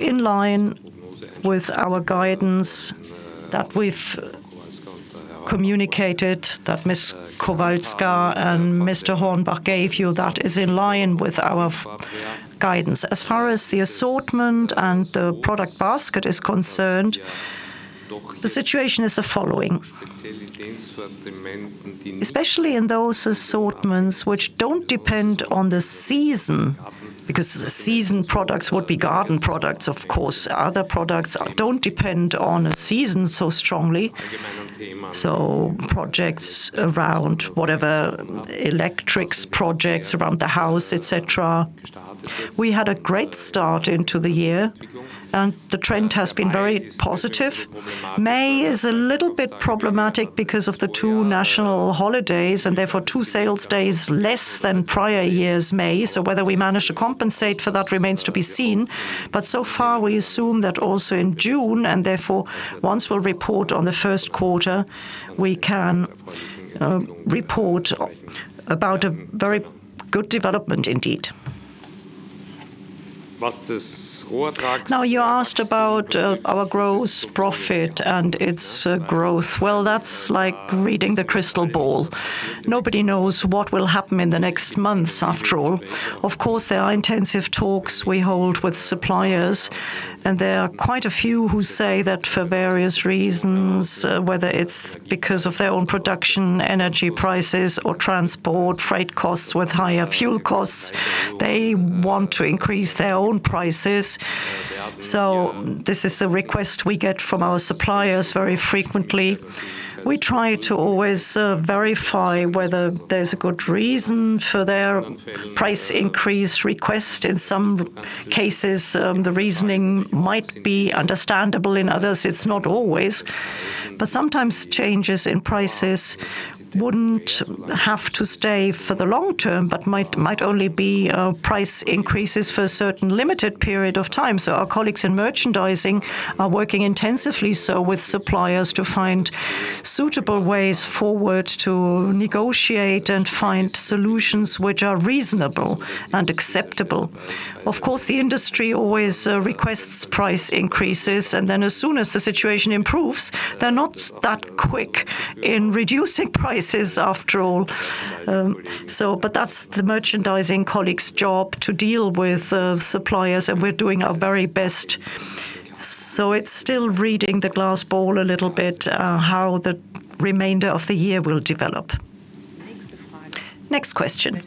In line with our guidance that we've communicated, that Ms. Kowalska and Mr. Hornbach gave you, that is in line with our guidance. As far as the assortment and the product basket is concerned, the situation is the following: especially in those assortments which don't depend on the season, because the season products would be garden products, of course, other products, don't depend on a season so strongly, so projects around whatever, electrics projects around the house, et cetera. We had a great start into the year, and the trend has been very positive. May is a little bit problematic because of the two national holidays and therefore two sales days less than prior years May. Whether we manage to compensate for that remains to be seen. So far, we assume that also in June, and therefore once we'll report on the first quarter, we can report about a very good development indeed. Now you asked about our gross profit and its growth. Well, that's like reading the crystal ball. Nobody knows what will happen in the next months after all. Of course, there are intensive talks we hold with suppliers, and there are quite a few who say that for various reasons, whether it's because of their own production, energy prices or transport, freight costs with higher fuel costs, they want to increase their own prices. This is a request we get from our suppliers very frequently. We try to always verify whether there's a good reason for their price increase request. In some cases, the reasoning might be understandable, in others, it's not always. Sometimes changes in prices wouldn't have to stay for the long term, but might only be price increases for a certain limited period of time. Our colleagues in merchandising are working intensively with suppliers to find suitable ways forward to negotiate and find solutions which are reasonable and acceptable. Of course, the industry always requests price increases, and then as soon as the situation improves, they're not that quick in reducing prices after all. That's the merchandising colleague's job to deal with suppliers, and we're doing our very best. It's still reading the glass ball a little bit how the remainder of the year will develop. Next question.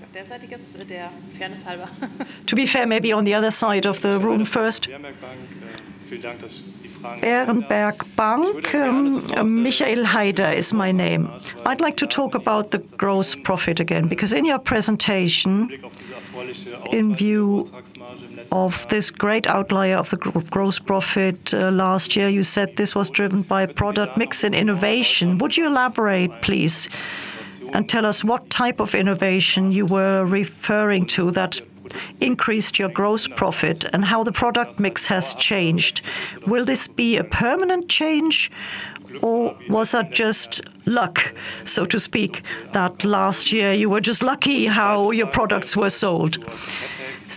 To be fair, maybe on the other side of the room first. Berenberg Bank, Michael Heider is my name. I'd like to talk about the gross profit again, because in your presentation, in view of this great outlier of the gross profit last year, you said this was driven by product mix and innovation. Would you elaborate, please, and tell us what type of innovation you were referring to that increased your gross profit and how the product mix has changed? Will this be a permanent change, or was that just luck, so to speak, that last year you were just lucky how your products were sold?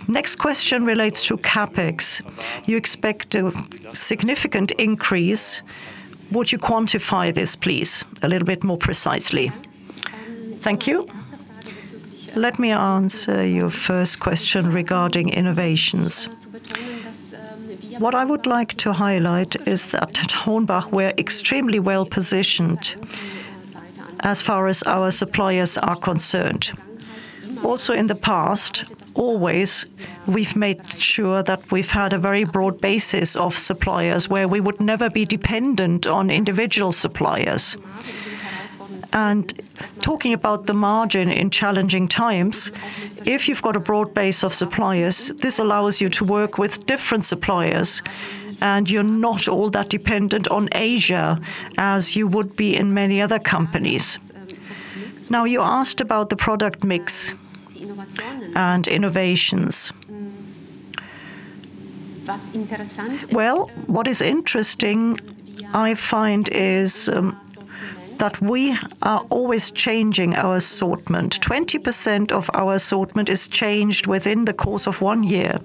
Next question relates to CapEx. You expect a significant increase. Would you quantify this, please, a little bit more precisely? Thank you. Let me answer your first question regarding innovations. What I would like to highlight is that at HORNBACH, we're extremely well-positioned as far as our suppliers are concerned. Also in the past, always, we've made sure that we've had a very broad basis of suppliers where we would never be dependent on individual suppliers. Talking about the margin in challenging times, if you've got a broad base of suppliers, this allows you to work with different suppliers, and you're not all that dependent on Asia as you would be in many other companies. You asked about the product mix and innovations. Well, what is interesting, I find, is that we are always changing our assortment. 20% of our assortment is changed within the course of one year.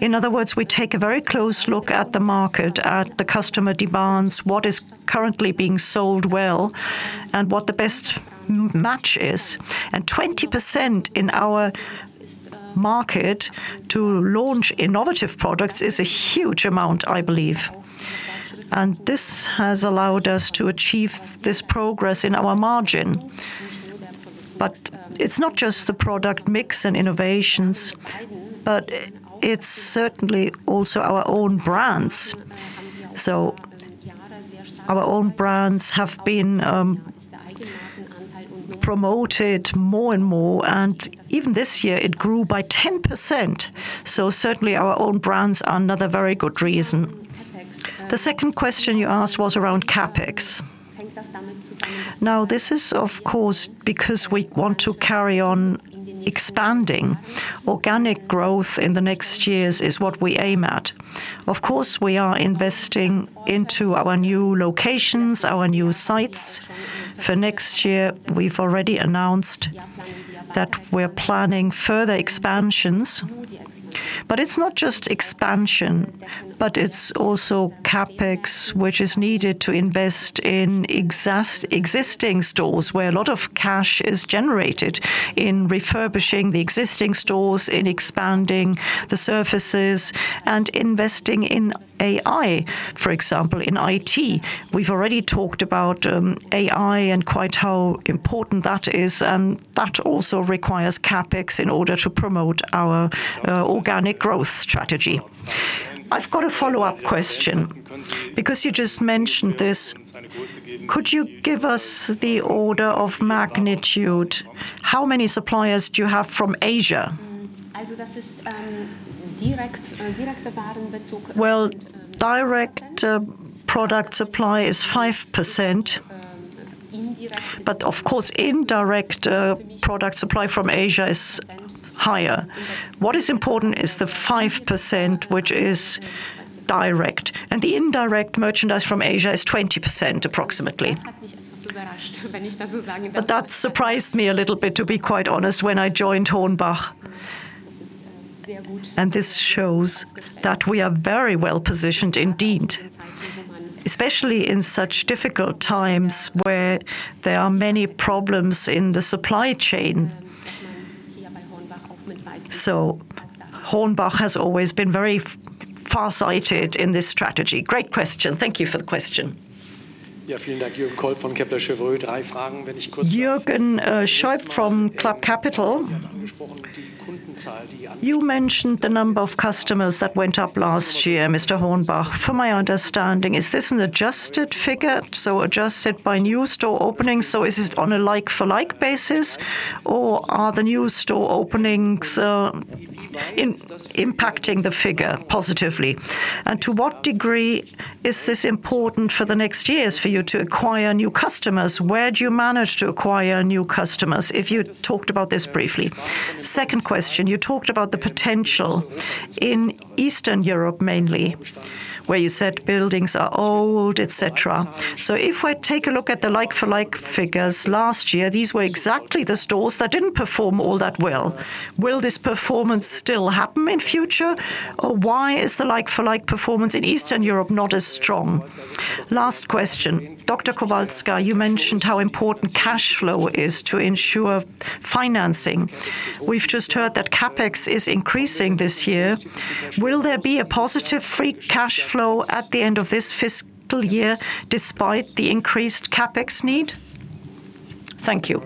In other words, we take a very close look at the market, at the customer demands, what is currently being sold well, and what the best match is. 20% in our market to launch innovative products is a huge amount, I believe. This has allowed us to achieve this progress in our margin. It's not just the product mix and innovations, but it's certainly also our own brands. Our own brands have been promoted more and more, and even this year it grew by 10%. Certainly our own brands are another very good reason. The second question you asked was around CapEx. This is, of course, because we want to carry on expanding. Organic growth in the next years is what we aim at. Of course, we are investing into our new locations, our new sites. For next year, we've already announced that we're planning further expansions. It's not just expansion, it's also CapEx, which is needed to invest in existing stores where a lot of cash is generated, in refurbishing the existing stores, in expanding the surfaces, and investing in AI, for example, in IT. We've already talked about AI and quite how important that is, and that also requires CapEx in order to promote our organic growth strategy. I've got a follow-up question. You just mentioned this, could you give us the order of magnitude? How many suppliers do you have from Asia? Direct product supply is 5%, but of course, indirect product supply from Asia is higher. What is important is the 5%, which is direct, and the indirect merchandise from Asia is 20% approximately. That surprised me a little bit, to be quite honest, when I joined HORNBACH. This shows that we are very well-positioned indeed, especially in such difficult times where there are many problems in the supply chain. HORNBACH has always been very farsighted in this strategy. Great question. Thank you for the question. Jürgen Scheub from [Kepler Cheuvreux]. You mentioned the number of customers that went up last year, Mr. Hornbach. From my understanding, is this an adjusted figure? Adjusted by new store openings, is it on a like-for-like basis or are the new store openings impacting the figure positively? To what degree is this important for the next years for you to acquire new customers? Where do you manage to acquire new customers? If you talked about this briefly? Second question, you talked about the potential in Eastern Europe, mainly, where you said buildings are old, et cetera. If I take a look at the like-for-like figures last year, these were exactly the stores that didn't perform all that well. Will this performance still happen in future, or why is the like-for-like performance in Eastern Europe not as strong? Last question, Dr. Kowalska, you mentioned how important cash flow is to ensure financing. We've just heard that CapEx is increasing this year. Will there be a positive free cash flow at the end of this fiscal year despite the increased CapEx need? Thank you.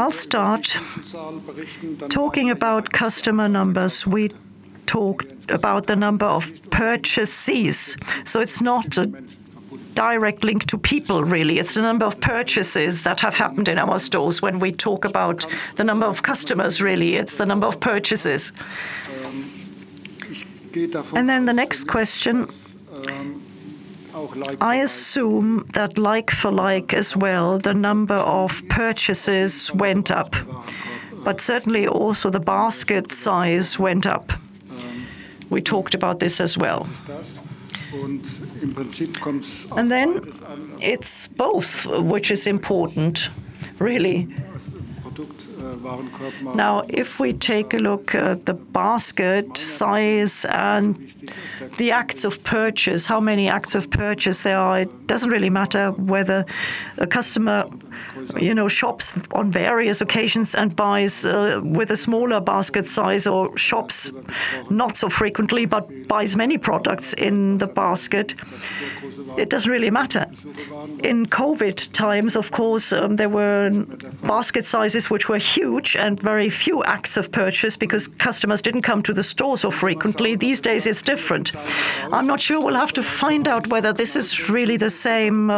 I'll start. Talking about customer numbers, we talked about the number of purchases. It's not a direct link to people, really. It's the number of purchases that have happened in our stores. When we talk about the number of customers, really, it's the number of purchases. The next question, I assume that like-for-like as well, the number of purchases went up, but certainly also the basket size went up. We talked about this as well. It's both, which is important really. Now, if we take a look at the basket size and the acts of purchase, how many acts of purchase there are, it doesn't really matter whether a customer, you know, shops on various occasions and buys with a smaller basket size or shops not so frequently, but buys many products in the basket. It doesn't really matter. In COVID times, of course, there were basket sizes which were huge and very few acts of purchase because customers didn't come to the store so frequently. These days it's different. I'm not sure. We'll have to find out whether this is really the same,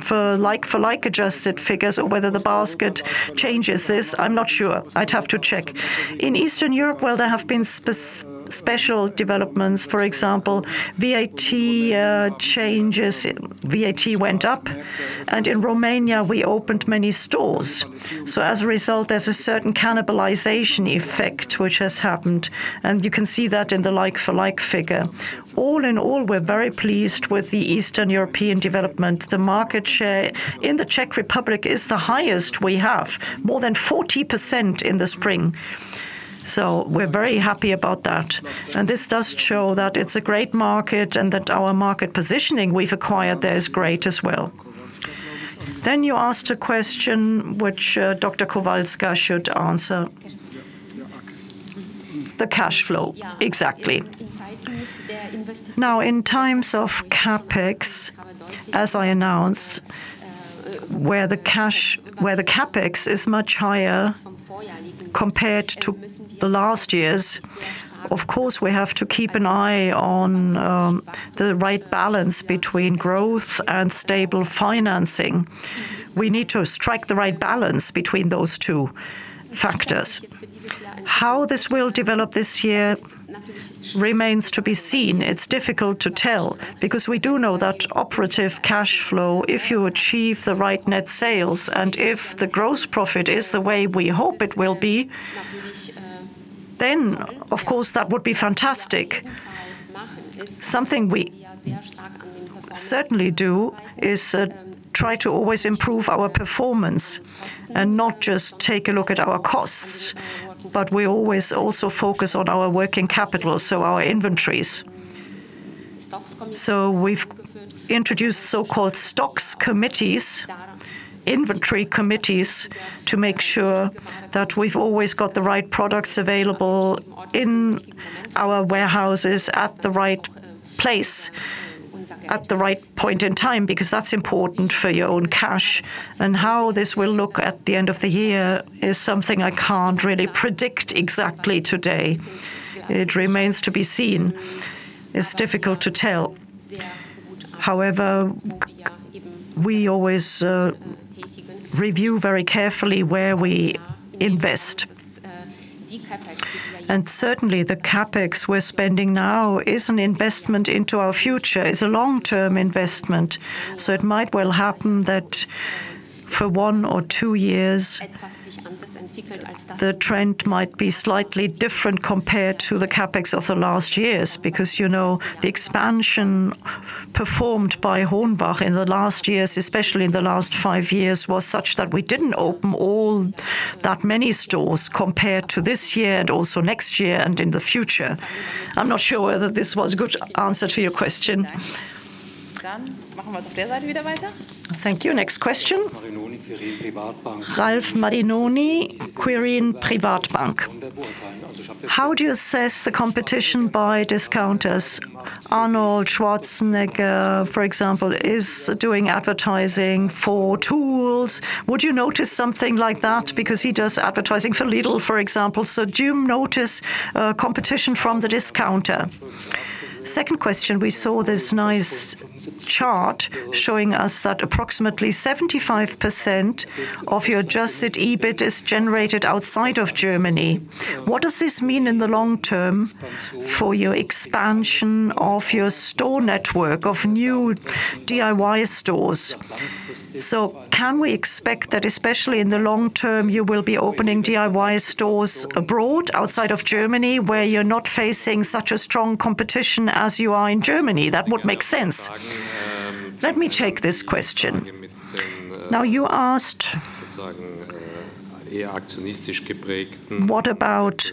for like-for-like adjusted figures or whether the basket changes this. I'm not sure. I'd have to check. In Eastern Europe, there have been special developments. For example, VAT changes, VAT went up, and in Romania, we opened many stores. As a result, there's a certain cannibalization effect which has happened, and you can see that in the like-for-like figure. All in all, we're very pleased with the Eastern European development. The market share in the Czech Republic is the highest we have, more than 40% in the spring. We're very happy about that, and this does show that it's a great market and that our market positioning we've acquired there is great as well. You asked a question which Dr. Kowalska should answer. The cash flow. Exactly. In times of CapEx, as I announced, where the CapEx is much higher compared to the last years, of course, we have to keep an eye on the right balance between growth and stable financing. We need to strike the right balance between those two factors. How this will develop this year remains to be seen. It's difficult to tell because we do know that operative cash flow, if you achieve the right net sales, and if the gross profit is the way we hope it will be, then of course that would be fantastic. Something we certainly do is try to always improve our performance and not just take a look at our costs, but we always also focus on our working capital, so our inventories. We've introduced so-called stocks committees, inventory committees, to make sure that we've always got the right products available in our warehouses at the right place, at the right point in time, because that's important for your own cash. How this will look at the end of the year is something I can't really predict exactly today. It remains to be seen. It's difficult to tell. However, we always review very carefully where we invest. Certainly, the CapEx we're spending now is an investment into our future, is a long-term investment. It might well happen that for one or two years, the trend might be slightly different compared to the CapEx of the last years because, you know, the expansion performed by HORNBACH in the last years, especially in the last five years, was such that we didn't open all that many stores compared to this year and also next year and in the future. I'm not sure whether this was a good answer to your question. Thank you. Thank you. Next question. Ralf Marinoni, Quirin Privatbank. How do you assess the competition by discounters? Arnold Schwarzenegger, for example, is doing advertising for tools. Would you notice something like that? He does advertising for Lidl, for example. Do you notice competition from the discounter? Second question, we saw this nice chart showing us that approximately 75% of your adjusted EBIT is generated outside of Germany. What does this mean in the long term for your expansion of your store network of new DIY stores? Can we expect that, especially in the long term, you will be opening DIY stores abroad, outside of Germany, where you're not facing such a strong competition as you are in Germany? That would make sense. Let me take this question. Now, you asked, what about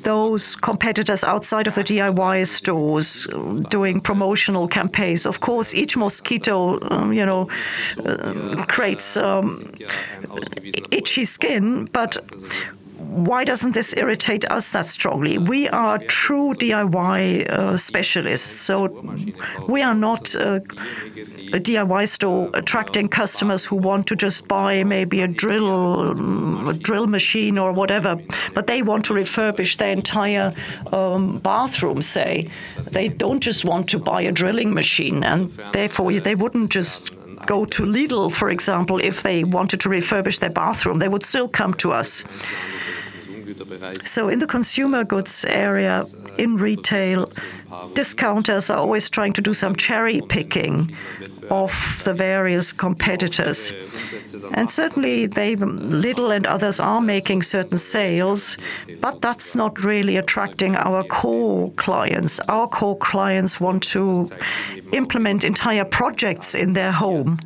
those competitors outside of the DIY stores doing promotional campaigns? Of course, each mosquito, you know, creates itchy skin, but why doesn't this irritate us that strongly? We are true DIY specialists, so we are not a DIY store attracting customers who want to just buy maybe a drill, a drill machine or whatever, but they want to refurbish their entire bathroom, say. They don't just want to buy a drilling machine. They wouldn't just go to Lidl, for example, if they wanted to refurbish their bathroom. They would still come to us. In the consumer goods area, in retail, discounters are always trying to do some cherry-picking of the various competitors. Certainly, they, Lidl and others are making certain sales, but that's not really attracting our core clients. Our core clients want to implement entire projects in their home.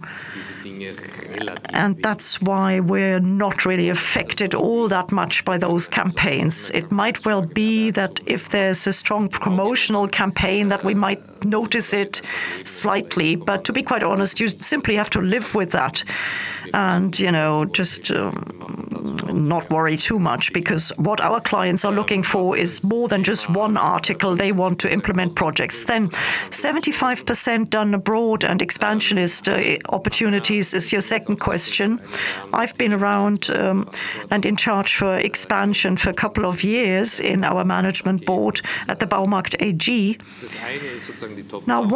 That's why we're not really affected all that much by those campaigns. It might well be that if there's a strong promotional campaign that we might notice it slightly. To be quite honest, you simply have to live with that and, you know, just not worry too much because what our clients are looking for is more than just one article. They want to implement projects. 75% done abroad and expansionist opportunities is your second question. I've been around and in charge for expansion for a couple of years in our management board at the Baumarkt AG.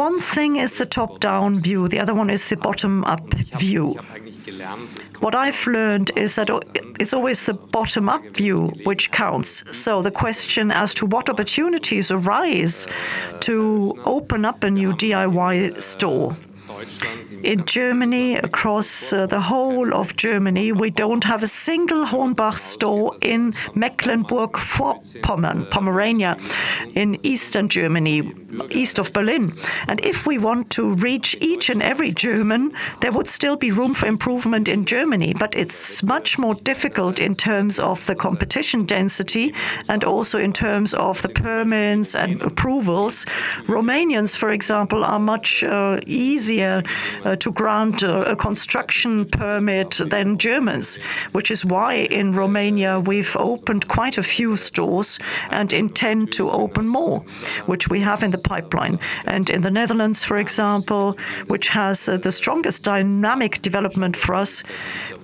One thing is the top-down view, the other one is the bottom-up view. What I've learned is that it's always the bottom-up view which counts. The question as to what opportunities arise to open up a new DIY store. In Germany, across the whole of Germany, we don't have a single HORNBACH store in Mecklenburg-Vorpommern, Pomerania, in Eastern Germany, east of Berlin. If we want to reach each and every German, there would still be room for improvement in Germany. It's much more difficult in terms of the competition density and also in terms of the permits and approvals. Romanians, for example, are much easier to grant a construction permit than Germans, which is why in Romania we've opened quite a few stores and intend to open more, which we have in the pipeline. In the Netherlands, for example, which has the strongest dynamic development for us.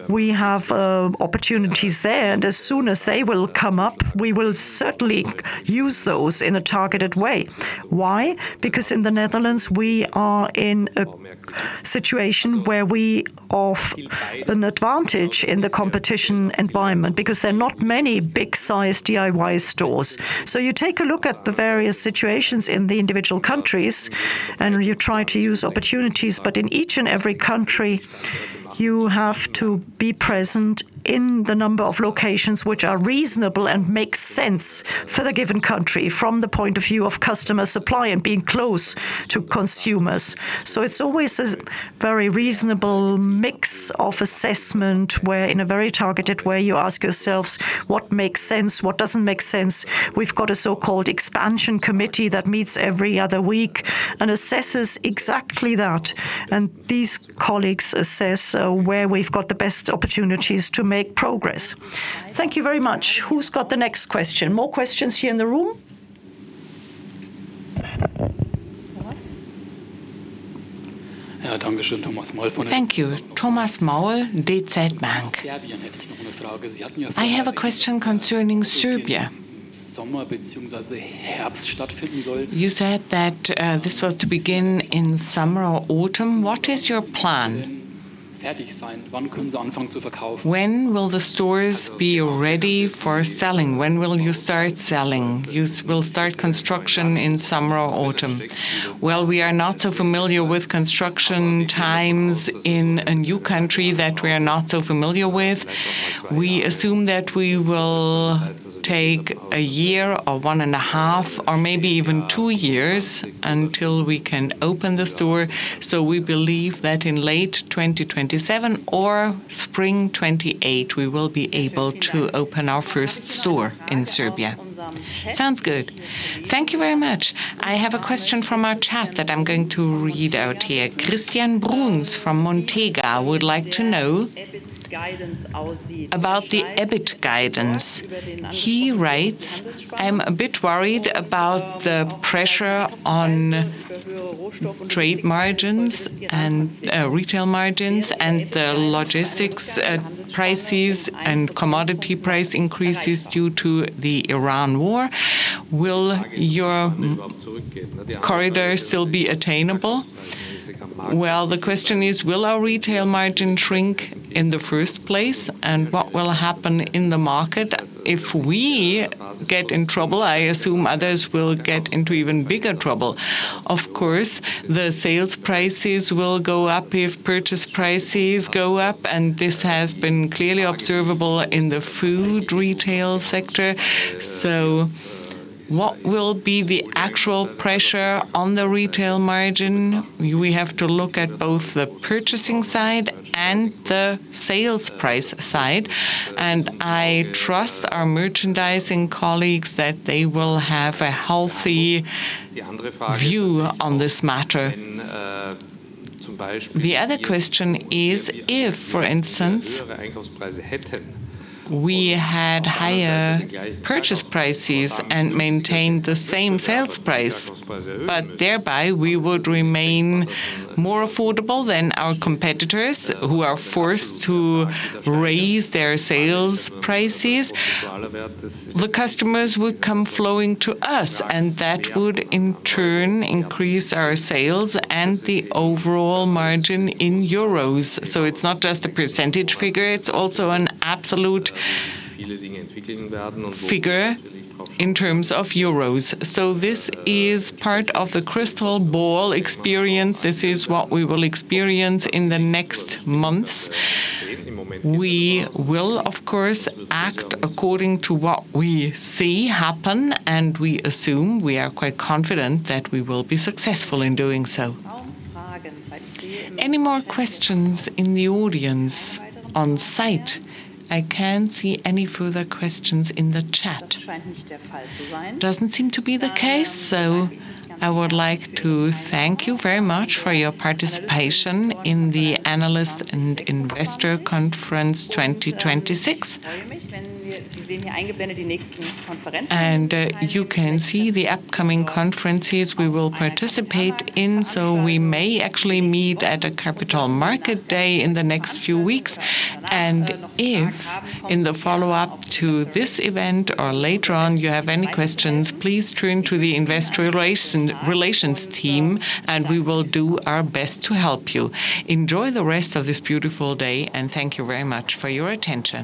We have opportunities there, and as soon as they will come up, we will certainly use those in a targeted way. Why? Because in the Netherlands, we are in a situation where we offer an advantage in the competition environment because there are not many big-sized DIY stores. You take a look at the various situations in the individual countries, and you try to use opportunities. In each and every country, you have to be present in the number of locations which are reasonable and make sense for the given country from the point of view of customer supply and being close to consumers. It's always a very reasonable mix of assessment where in a very targeted way you ask yourselves what makes sense, what doesn't make sense. We've got a so-called expansion committee that meets every other week and assesses exactly that, and these colleagues assess where we've got the best opportunities to make progress. Thank you very much. Who's got the next question? More questions here in the room? Thank you. Thomas Maul, DZ Bank. I have a question concerning Serbia. You said that this was to begin in summer or autumn. What is your plan? When will the stores be ready for selling? When will you start selling? You will start construction in summer or autumn. Well, we are not so familiar with construction times in a new country that we are not so familiar with. We assume that we will take a year or one and a half or maybe even two years until we can open the store. We believe that in late 2027 or spring 2028 we will be able to open our first store in Serbia. Sounds good. Thank you very much. I have a question from our chat that I'm going to read out here. Christian Bruns from Montega would like to know about the EBIT guidance. He writes, "I'm a bit worried about the pressure on trade margins and retail margins and the logistics prices and commodity price increases due to the Ukraine war. Will your corridor still be attainable? Well, the question is, will our retail margin shrink in the first place? What will happen in the market? If we get in trouble, I assume others will get into even bigger trouble. Of course, the sales prices will go up if purchase prices go up, and this has been clearly observable in the food retail sector. What will be the actual pressure on the retail margin? We have to look at both the purchasing side and the sales price side, and I trust our merchandising colleagues that they will have a healthy view on this matter. The other question is, if, for instance, we had higher purchase prices and maintained the same sales price, but thereby we would remain more affordable than our competitors who are forced to raise their sales prices, the customers would come flowing to us, and that would in turn increase our sales and the overall margin in Euros. It's not just a percentage figure, it's also an absolute figure in terms of Euros. This is part of the crystal ball experience. This is what we will experience in the next months. We will, of course, act according to what we see happen, and we assume we are quite confident that we will be successful in doing so. Any more questions in the audience on site? I can't see any further questions in the chat. Doesn't seem to be the case, so I would like to thank you very much for your participation in the Analyst and Investor Conference 2026. You can see the upcoming conferences we will participate in, so we may actually meet at a Capital Market Day in the next few weeks. If in the follow-up to this event or later on you have any questions, please turn to the investor relations team, and we will do our best to help you. Enjoy the rest of this beautiful day, and thank you very much for your attention.